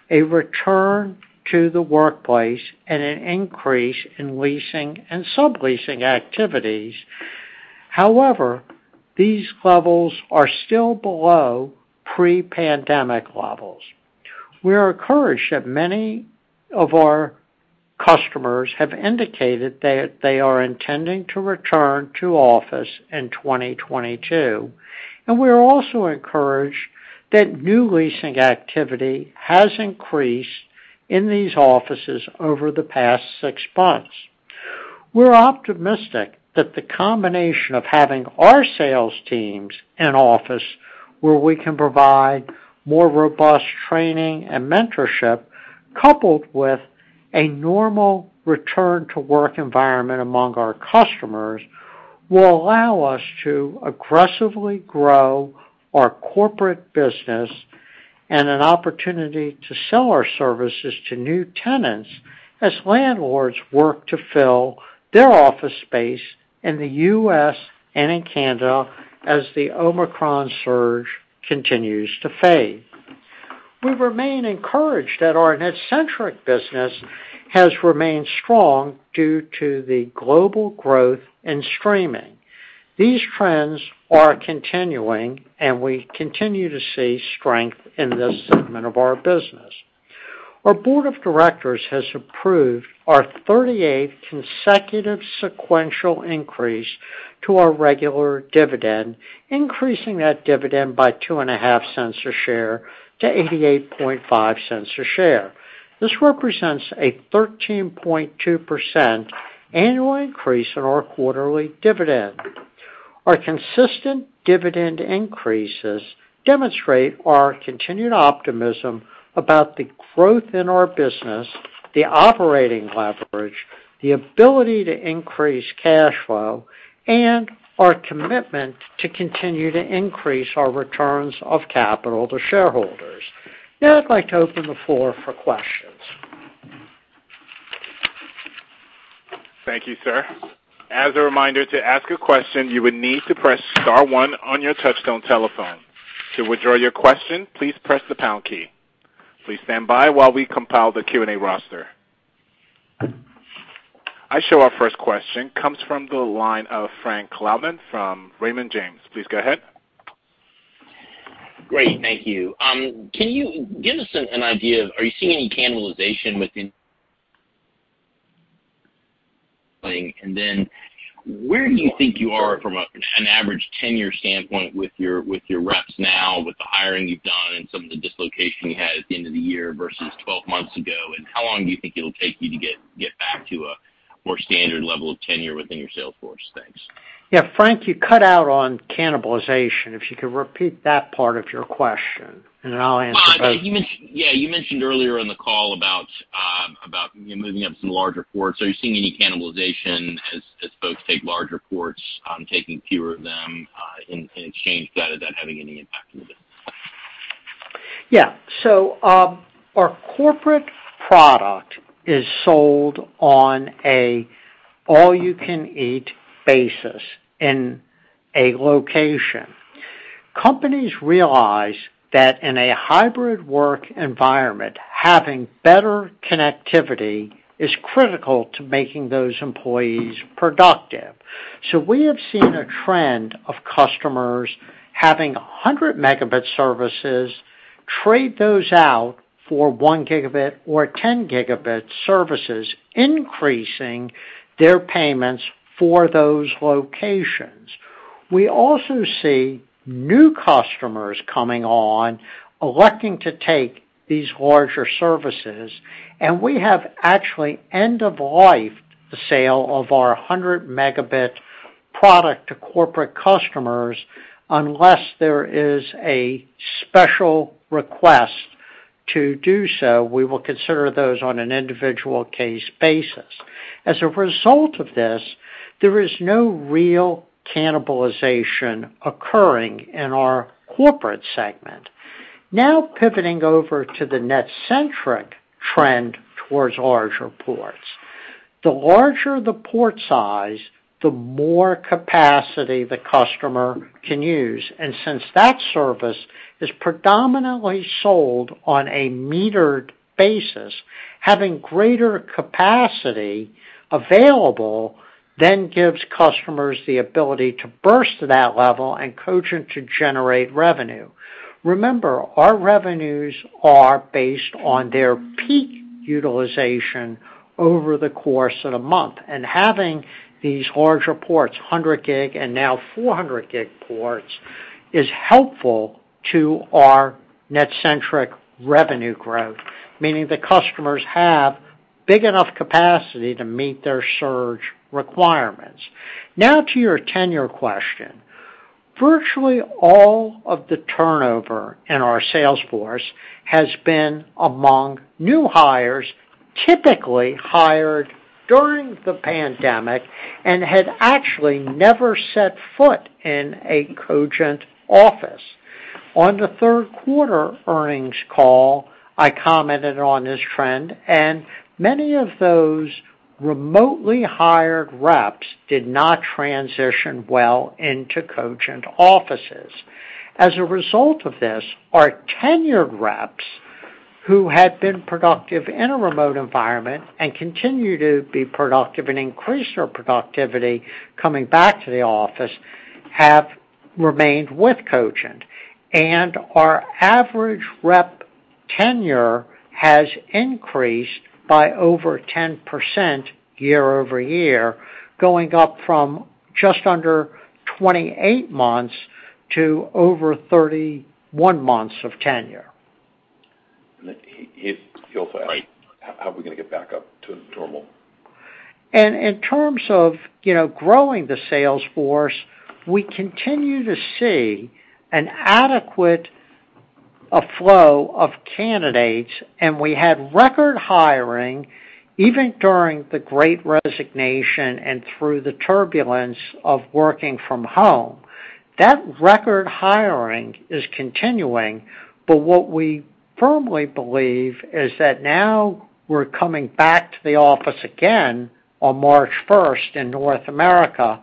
a return to the workplace and an increase in leasing and subleasing activities. However, these levels are still below pre-pandemic levels. We are encouraged that many of our customers have indicated that they are intending to return to office in 2022, and we are also encouraged that new leasing activity has increased in these offices over the past six months. We're optimistic that the combination of having our sales teams in office, where we can provide more robust training and mentorship, coupled with a normal return to work environment among our customers, will allow us to aggressively grow our corporate business and an opportunity to sell our services to new tenants as landlords work to fill their office space in the U.S. and in Canada as the Omicron surge continues to fade. We remain encouraged that our NetCentric business has remained strong due to the global growth in streaming. These trends are continuing, and we continue to see strength in this segment of our business. Our Board of Directors has approved our 38th consecutive sequential increase to our regular dividend, increasing that dividend by $0.025 a share to $0.885 a share. This represents a 13.2% annual increase in our quarterly dividend. Our consistent dividend increases demonstrate our continued optimism about the growth in our business, the operating leverage, the ability to increase cash flow, and our commitment to continue to increase our returns of capital to shareholders. Now I'd like to open the floor for questions. Thank you, sir. As a reminder, to ask a question, you would need to press star one on your touchtone telephone. To withdraw your question, please press the pound key. Please stand by while we compile the Q&A roster. I show our first question comes from the line of Frank Louthan from Raymond James. Please go ahead. Great. Thank you. Can you give us an idea if you are seeing any cannibalization within? Where do you think you are from an average tenure standpoint with your reps now, with the hiring you've done and some of the dislocation you had at the end of the year versus 12 months ago? How long do you think it'll take you to get back to a more standard level of tenure within your sales force? Thanks. Yeah, Frank, you cut out on cannibalization. If you could repeat that part of your question, and then I'll answer both. Well, I think you mentioned. Yeah, you mentioned earlier in the call about you know moving up some larger ports. Are you seeing any cannibalization as folks take larger ports, taking fewer of them, and that having any impact in the business? Yeah. Our corporate product is sold on an all-you-can-eat basis in a location. Companies realize that in a hybrid work environment, having better connectivity is critical to making those employees productive. We have seen a trend of customers having 100 Mb services trade those out for 1 Gb or 10 Gb services, increasing their payments for those locations. We also see new customers coming on electing to take these larger services, and we have actually end of life the sale of our 100 Mb product to corporate customers. Unless there is a special request to do so, we will consider those on an individual case basis. As a result of this, there is no real cannibalization occurring in our corporate segment. Now pivoting over to the NetCentric trend towards larger ports. The larger the port size, the more capacity the customer can use. Since that service is predominantly sold on a metered basis, having greater capacity available than gives customers the ability to burst to that level and Cogent to generate revenue. Remember, our revenues are based on their peak utilization over the course of the month, and having these larger ports, 100 Gb and now 400 Gb ports, is helpful to our NetCentric revenue growth, meaning the customers have big enough capacity to meet their surge requirements. Now to your turnover question. Virtually all of the turnover in our sales force has been among new hires, typically hired during the pandemic and had actually never set foot in a Cogent office. On the third quarter earnings call, I commented on this trend, and many of those remotely hired reps did not transition well into Cogent offices. As a result of this, our tenured reps who had been productive in a remote environment and continue to be productive and increase their productivity coming back to the office, have remained with Cogent. Our average rep tenure has increased by over 10% year-over-year, going up from just under 28 months to over 31 months of tenure. He also asked how are we gonna get back up to normal? In terms of, you know, growing the sales force, we continue to see an adequate flow of candidates, and we had record hiring even during the great resignation and through the turbulence of working from home. That record hiring is continuing, but what we firmly believe is that now we're coming back to the office again on March 1st in North America.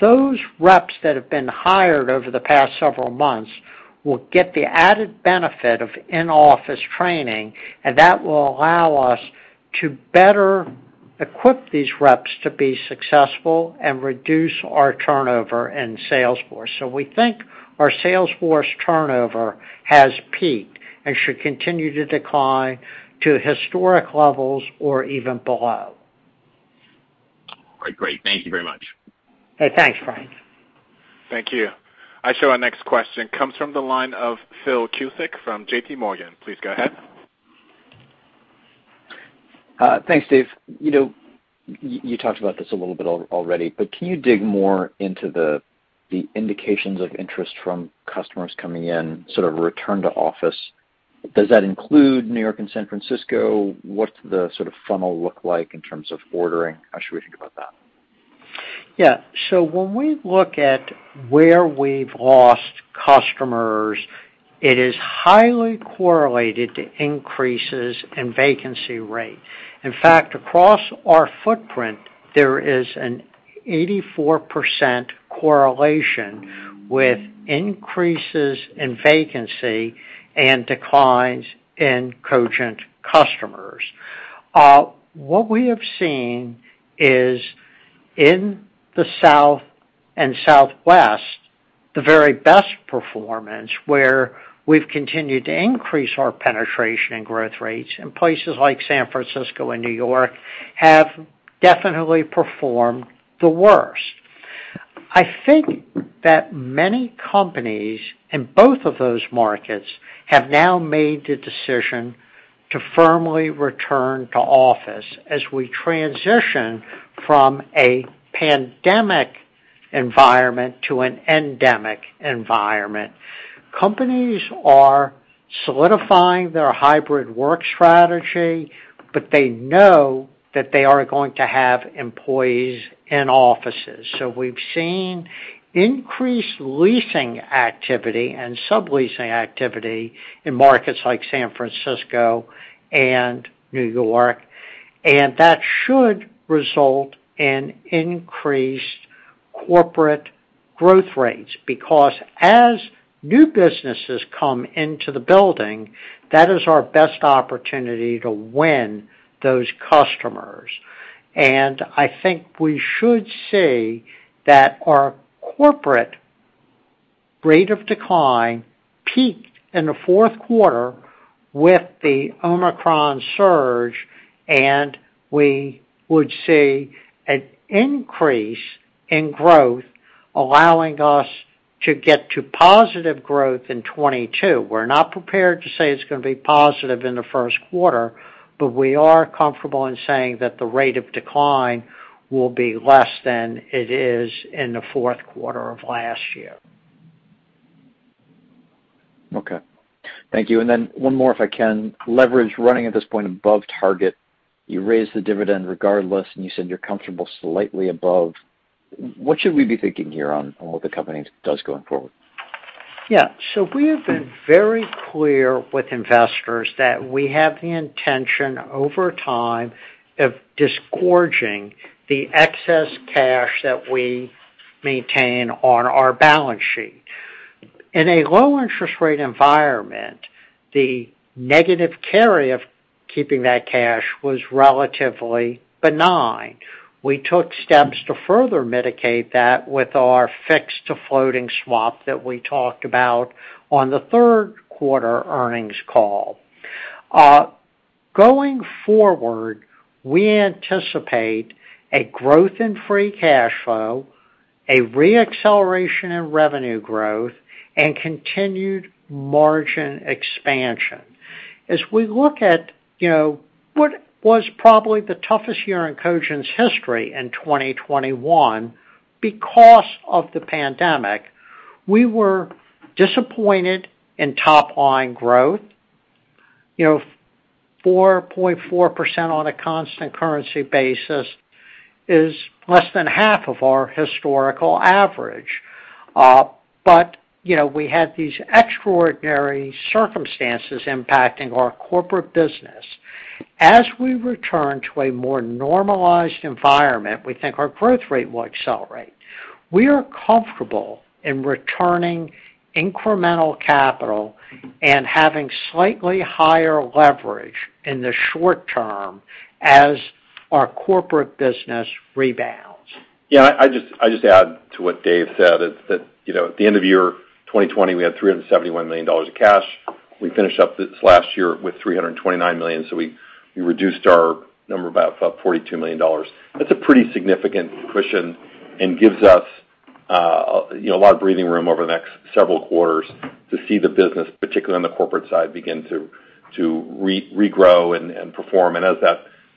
Those reps that have been hired over the past several months will get the added benefit of in-office training, and that will allow us to better equip these reps to be successful and reduce our turnover in sales force. We think our sales force turnover has peaked and should continue to decline to historic levels or even below. All right, great. Thank you very much. Thanks, Frank. Thank you. Our next question comes from the line of Phil Cusick from JPMorgan. Please go ahead. Thanks, Dave. You know, you talked about this a little bit already, but can you dig more into the indications of interest from customers coming in, sort of return to office? Does that include New York and San Francisco? What's the sort of funnel look like in terms of ordering? How should we think about that? Yeah. When we look at where we've lost customers, it is highly correlated to increases in vacancy rate. In fact, across our footprint, there is an 84% correlation with increases in vacancy and declines in Cogent customers. What we have seen is in the South and Southwest, the very best performance where we've continued to increase our penetration and growth rates in places like San Francisco and New York, have definitely performed the worst. I think that many companies in both of those markets have now made the decision to firmly return to office as we transition from a pandemic environment to an endemic environment. Companies are solidifying their hybrid work strategy, but they know that they are going to have employees in offices. We've seen increased leasing activity and subleasing activity in markets like San Francisco and New York, and that should result in increased corporate growth rates because as new businesses come into the building, that is our best opportunity to win those customers. I think we should see that our corporate rate of decline peaked in the fourth quarter with the Omicron surge, and we would see an increase in growth, allowing us to get to positive growth in 2022. We're not prepared to say it's gonna be positive in the first quarter, but we are comfortable in saying that the rate of decline will be less than it is in the fourth quarter of last year. Okay. Thank you. Then one more, if I can. Leverage running at this point above target, you raised the dividend regardless, and you said you're comfortable slightly above. What should we be thinking here on what the company does going forward? Yeah. We have been very clear with investors that we have the intention over time of disgorging the excess cash that we maintain on our balance sheet. In a low interest rate environment, the negative carry of keeping that cash was relatively benign. We took steps to further mitigate that with our fixed to floating swap that we talked about on the third quarter earnings call. Going forward, we anticipate a growth in free cash flow, a re-acceleration in revenue growth, and continued margin expansion. As we look at, you know, what was probably the toughest year in Cogent's history in 2021 because of the pandemic, we were disappointed in top line growth. You know, 4.4% on a constant currency basis is less than half of our historical average. You know, we had these extraordinary circumstances impacting our corporate business. As we return to a more normalized environment, we think our growth rate will accelerate. We are comfortable in returning incremental capital and having slightly higher leverage in the short term as our corporate business rebounds. Yeah. I just add to what Dave said, is that, you know, at the end of year 2020, we had $371 million of cash. We finished up this last year with $329 million. So we reduced our number by about $42 million. That's a pretty significant cushion and gives us, you know, a lot of breathing room over the next several quarters to see the business, particularly on the corporate side, begin to re-regrow and perform. As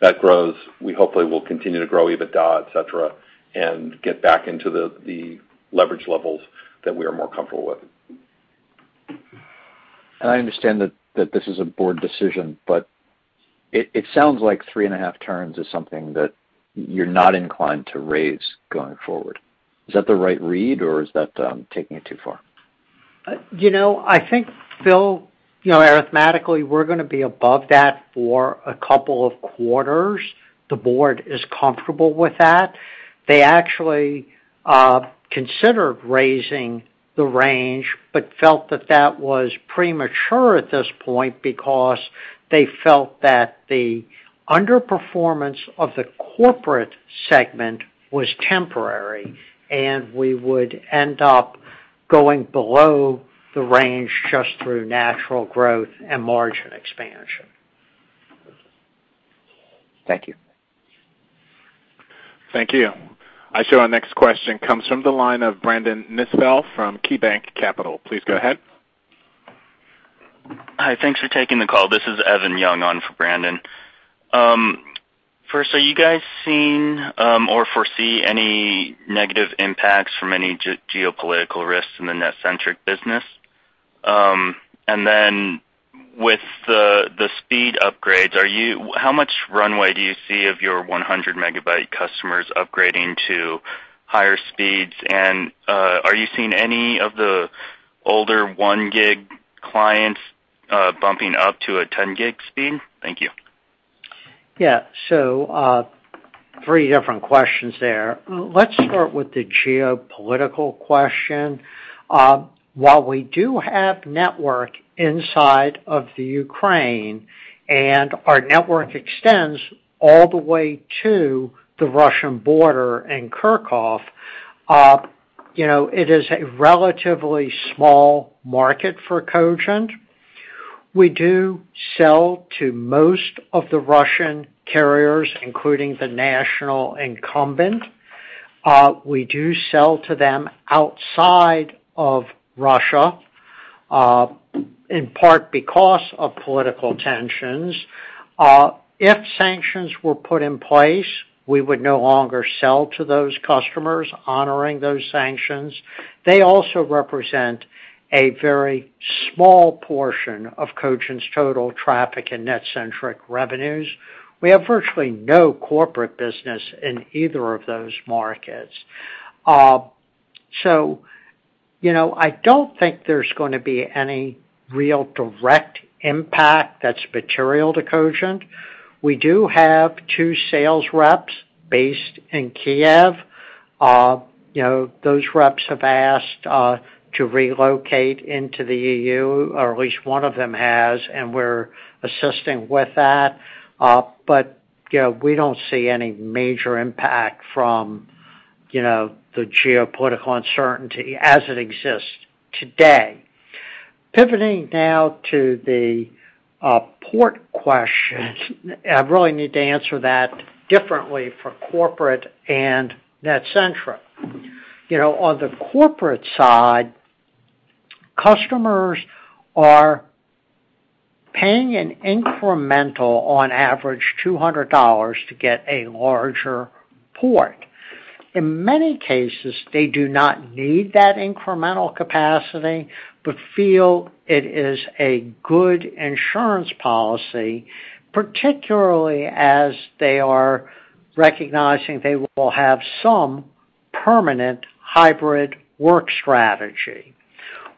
that grows, we hopefully will continue to grow EBITDA, et cetera, and get back into the leverage levels that we are more comfortable with. I understand that this is a board decision, but it sounds like 3.5 turns is something that you're not inclined to raise going forward. Is that the right read, or is that taking it too far? You know, I think, Phil, you know, arithmetically, we're gonna be above that for a couple of quarters. The board is comfortable with that. They actually considered raising the range, but felt that that was premature at this point because they felt that the underperformance of the corporate segment was temporary, and we would end up going below the range just through natural growth and margin expansion. Thank you. Thank you. Our next question comes from the line of Brandon Nispel from KeyBanc Capital. Please go ahead. Hi. Thanks for taking the call. This is Evan Young on for Brandon. First, are you guys seeing or foresee any negative impacts from any geopolitical risks in the NetCentric business? Then with the speed upgrades, how much runway do you see of your 100 Mb customers upgrading to higher speeds? Are you seeing any of the older 1 Gb clients bumping up to a 10 Gb speed? Thank you. Yeah. Three different questions there. Let's start with the geopolitical question. While we do have network inside of Ukraine and our network extends all the way to the Russian border in Kharkiv, you know, it is a relatively small market for Cogent. We do sell to most of the Russian carriers, including the national incumbent. We do sell to them outside of Russia, in part because of political tensions. If sanctions were put in place, we would no longer sell to those customers honoring those sanctions. They also represent a very small portion of Cogent's total traffic and NetCentric revenues. We have virtually no corporate business in either of those markets. You know, I don't think there's gonna be any real direct impact that's material to Cogent. We do have two sales reps based in Kyiv. You know, those reps have asked to relocate into the EU, or at least one of them has, and we're assisting with that. You know, we don't see any major impact from, you know, the geopolitical uncertainty as it exists today. Pivoting now to the port question. I really need to answer that differently for corporate and NetCentric. You know, on the corporate side, customers are paying an incremental, on average, $200 to get a larger port. In many cases, they do not need that incremental capacity, but feel it is a good insurance policy, particularly as they are recognizing they will have some permanent hybrid work strategy.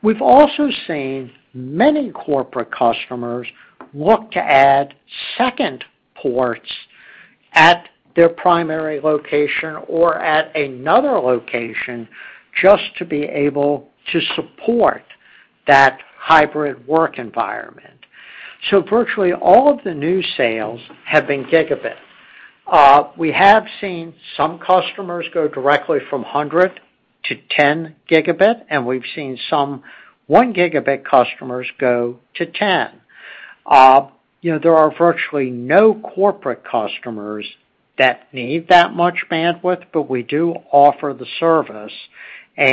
We've also seen many corporate customers look to add second ports at their primary location or at another location just to be able to support that hybrid work environment. Virtually all of the new sales have been gigabit. We have seen some customers go directly from 100 Gb to 10 Gb, and we've seen some 1 Gb customers go to 10 Gb. You know, there are virtually no corporate customers that need that much bandwidth, but we do offer the service. You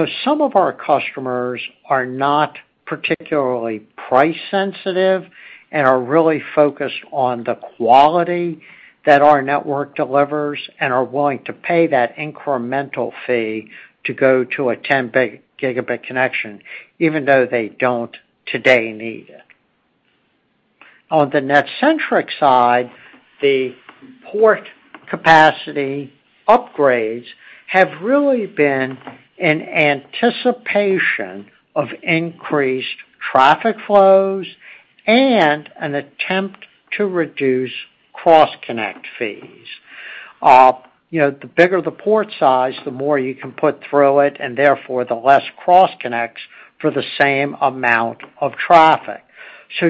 know, some of our customers are not particularly price sensitive and are really focused on the quality that our network delivers and are willing to pay that incremental fee to go to a 10 Gb connection, even though they don't today need it. On the NetCentric side, the port capacity upgrades have really been in anticipation of increased traffic flows and an attempt to reduce cross-connect fees. You know, the bigger the port size, the more you can put through it, and therefore, the less cross-connects for the same amount of traffic.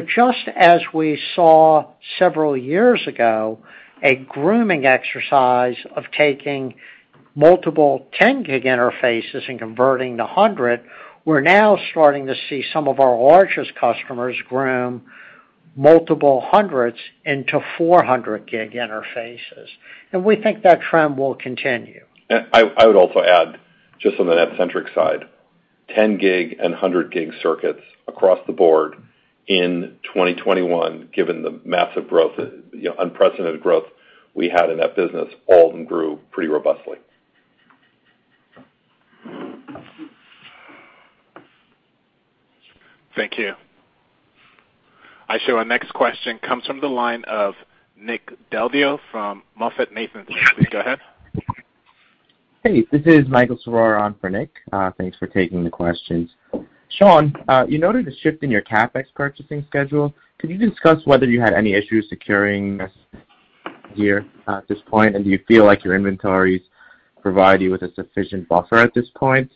just as we saw several years ago, a grooming exercise of taking multiple 10 Gb interfaces and converting to 100, we're now starting to see some of our largest customers groom multiple 100s into 400 Gb interfaces. We think that trend will continue. I would also add just on the NetCentric side, 10 Gb and 100 Gb circuits across the board in 2021, given the massive growth, you know, unprecedented growth we had in that business, all of them grew pretty robustly. Thank you. I show our next question comes from the line of Nick Del Deo from MoffettNathanson. Please go ahead. Hey, this is Michael Srour on for Nick. Thanks for taking the questions. Sean, you noted a shift in your CapEx purchasing schedule. Could you discuss whether you had any issues securing this year at this point? And do you feel like your inventories provide you with a sufficient buffer at this point?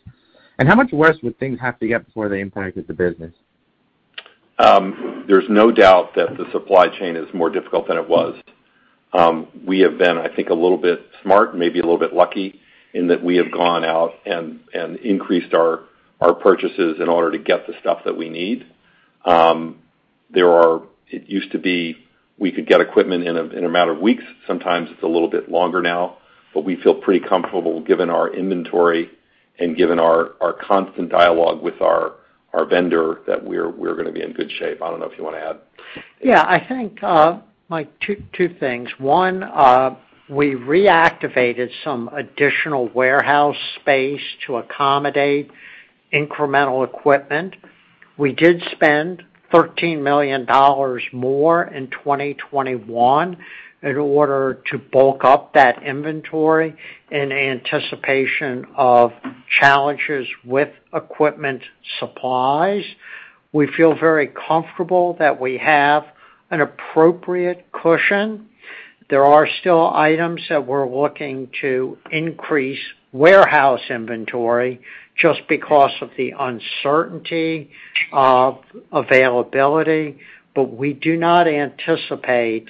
And how much worse would things have to get before they impacted the business? There's no doubt that the supply chain is more difficult than it was. We have been, I think, a little bit smart, maybe a little bit lucky in that we have gone out and increased our purchases in order to get the stuff that we need. It used to be we could get equipment in a matter of weeks. Sometimes it's a little bit longer now, but we feel pretty comfortable given our inventory and given our constant dialogue with our vendor that we're gonna be in good shape. I don't know if you wanna add. Yeah. I think, Mike, two things. One, we reactivated some additional warehouse space to accommodate incremental equipment. We did spend $13 million more in 2021 in order to bulk up that inventory in anticipation of challenges with equipment supplies. We feel very comfortable that we have an appropriate cushion. There are still items that we're looking to increase warehouse inventory just because of the uncertainty of availability, but we do not anticipate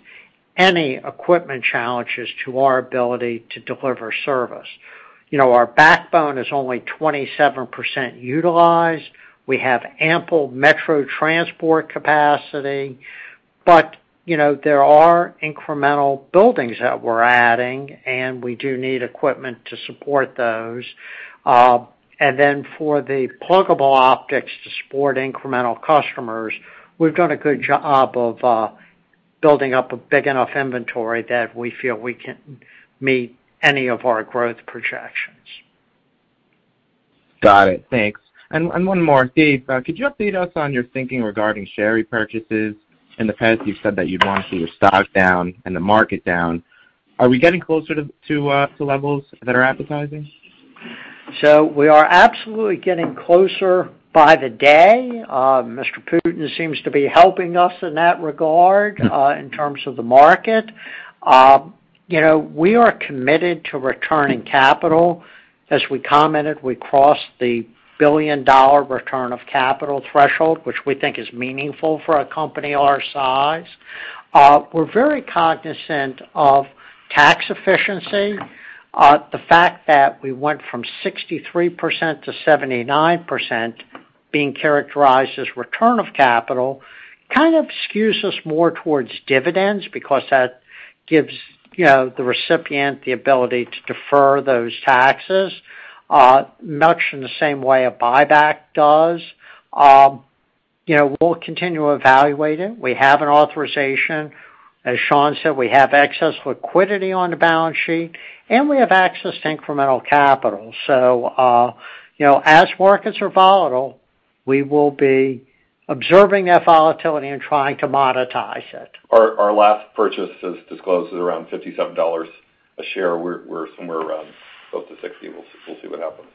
any equipment challenges to our ability to deliver service. You know, our backbone is only 27% utilized. We have ample metro transport capacity. You know, there are incremental buildings that we're adding, and we do need equipment to support those. For the pluggable optics to support incremental customers, we've done a good job of building up a big enough inventory that we feel we can meet any of our growth projections. Got it. Thanks. One more, Dave. Could you update us on your thinking regarding share repurchases? In the past, you've said that you'd want to see the stock down and the market down. Are we getting closer to levels that are appetizing? We are absolutely getting closer by the day. Mr. Putin seems to be helping us in that regard, in terms of the market. You know, we are committed to returning capital. As we commented, we crossed the $1 billion return of capital threshold, which we think is meaningful for a company our size. We're very cognizant of tax efficiency. The fact that we went from 63% to 79% being characterized as return of capital kind of skews us more towards dividends because that gives, you know, the recipient the ability to defer those taxes, much in the same way a buyback does. You know, we'll continue to evaluate it. We have an authorization. As Sean said, we have excess liquidity on the balance sheet, and we have access to incremental capital. You know, as markets are volatile, we will be observing that volatility and trying to monetize it. Our last purchase as disclosed is around $57 a share. We're somewhere around close to 60. We'll see what happens.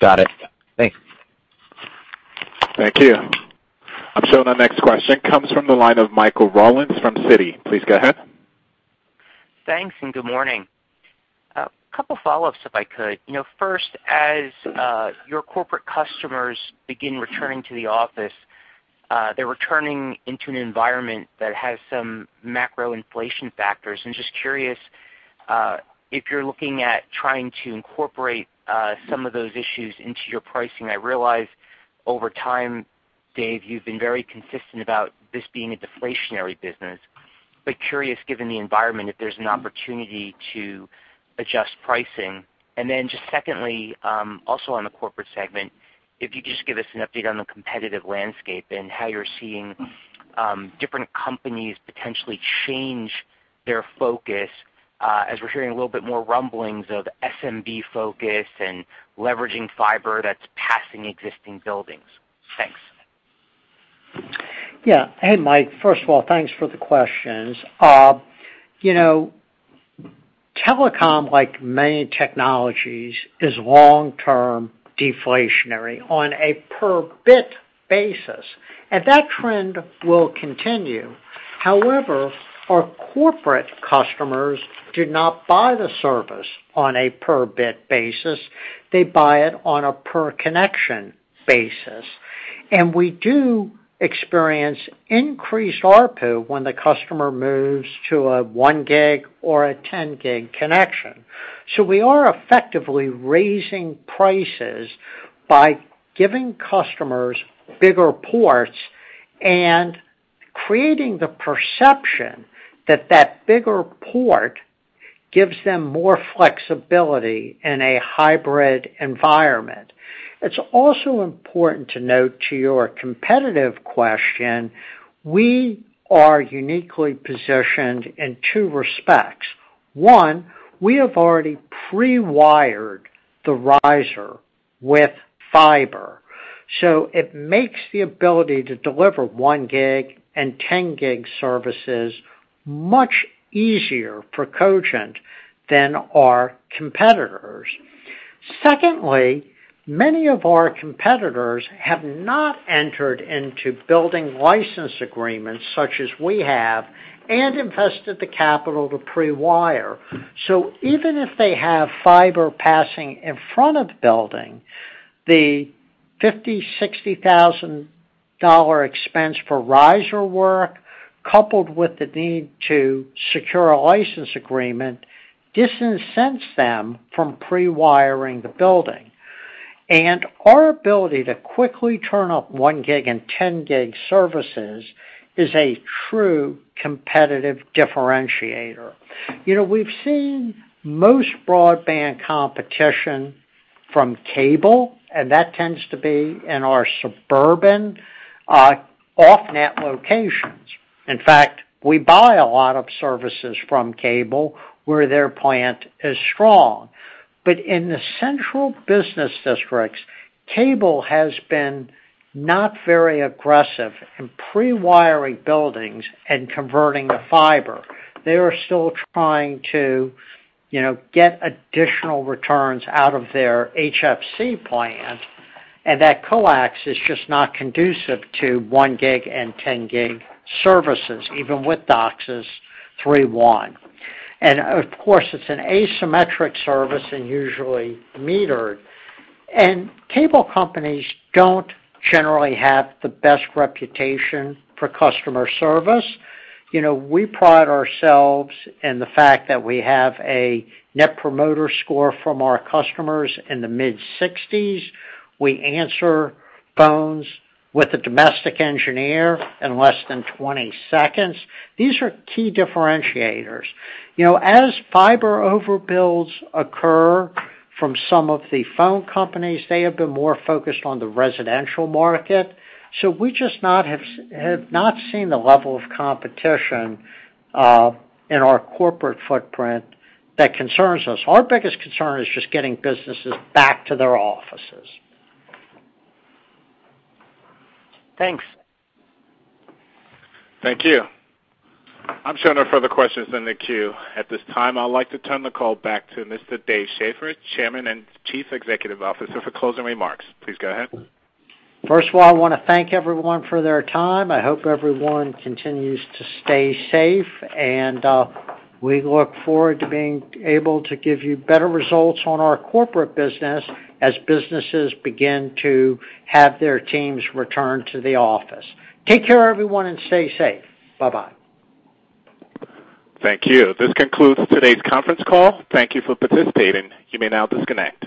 Got it. Thanks. Thank you. I'm showing our next question comes from the line of Michael Rollins from Citi. Please go ahead. Thanks and good morning. A couple follow-ups if I could. You know, first, as your corporate customers begin returning to the office, they're returning into an environment that has some macro inflation factors. I'm just curious if you're looking at trying to incorporate some of those issues into your pricing. I realize over time, Dave, you've been very consistent about this being a deflationary business. Curious, given the environment, if there's an opportunity to adjust pricing. Just secondly, also on the corporate segment, if you could just give us an update on the competitive landscape and how you're seeing different companies potentially change their focus, as we're hearing a little bit more rumblings of SMB focus and leveraging fiber that's passing existing buildings. Thanks. Yeah. Hey, Mike. First of all, thanks for the questions. You know, telecom, like many technologies, is long-term deflationary on a per bit basis, and that trend will continue. However, our corporate customers do not buy the service on a per bit basis. They buy it on a per connection basis. We do experience increased ARPU when the customer moves to a 1 Gb or a 10 Gb connection. We are effectively raising prices by giving customers bigger ports and creating the perception that that bigger port gives them more flexibility in a hybrid environment. It's also important to note to your competitive question, we are uniquely positioned in two respects. One, we have already pre-wired the riser with fiber, so it makes the ability to deliver 1 Gb and 10 Gb services much easier for Cogent than our competitors. Secondly, many of our competitors have not entered into building license agreements such as we have and invested the capital to pre-wire. So even if they have fiber passing in front of the building, the $50,000-$60,000 expense for riser work, coupled with the need to secure a license agreement, disincentivizes them from pre-wiring the building. Our ability to quickly turn up 1 Gb and 10 Gb services is a true competitive differentiator. You know, we've seen most broadband competition from cable, and that tends to be in our suburban off-net locations. In fact, we buy a lot of services from cable where their plant is strong. In the central business districts, cable has been not very aggressive in pre-wiring buildings and converting to fiber. They are still trying to, you know, get additional returns out of their HFC plant, and that coax is just not conducive to 1 Gb and 10 Gb services, even with DOCSIS 3.1. Of course, it's an asymmetric service and usually metered. Cable companies don't generally have the best reputation for customer service. You know, we pride ourselves in the fact that we have a Net Promoter Score from our customers in the mid-60s. We answer phones with a domestic engineer in less than 20 seconds. These are key differentiators. You know, as fiber overbuilds occur from some of the phone companies, they have been more focused on the residential market. We have not seen the level of competition in our corporate footprint that concerns us. Our biggest concern is just getting businesses back to their offices. Thanks. Thank you. I'm showing no further questions in the queue. At this time, I'd like to turn the call back to Mr. Dave Schaeffer, Chairman and Chief Executive Officer, for closing remarks. Please go ahead. First of all, I want to thank everyone for their time. I hope everyone continues to stay safe, and we look forward to being able to give you better results on our corporate business as businesses begin to have their teams return to the office. Take care, everyone, and stay safe. Bye-bye. Thank you. This concludes today's conference call. Thank you for participating. You may now disconnect.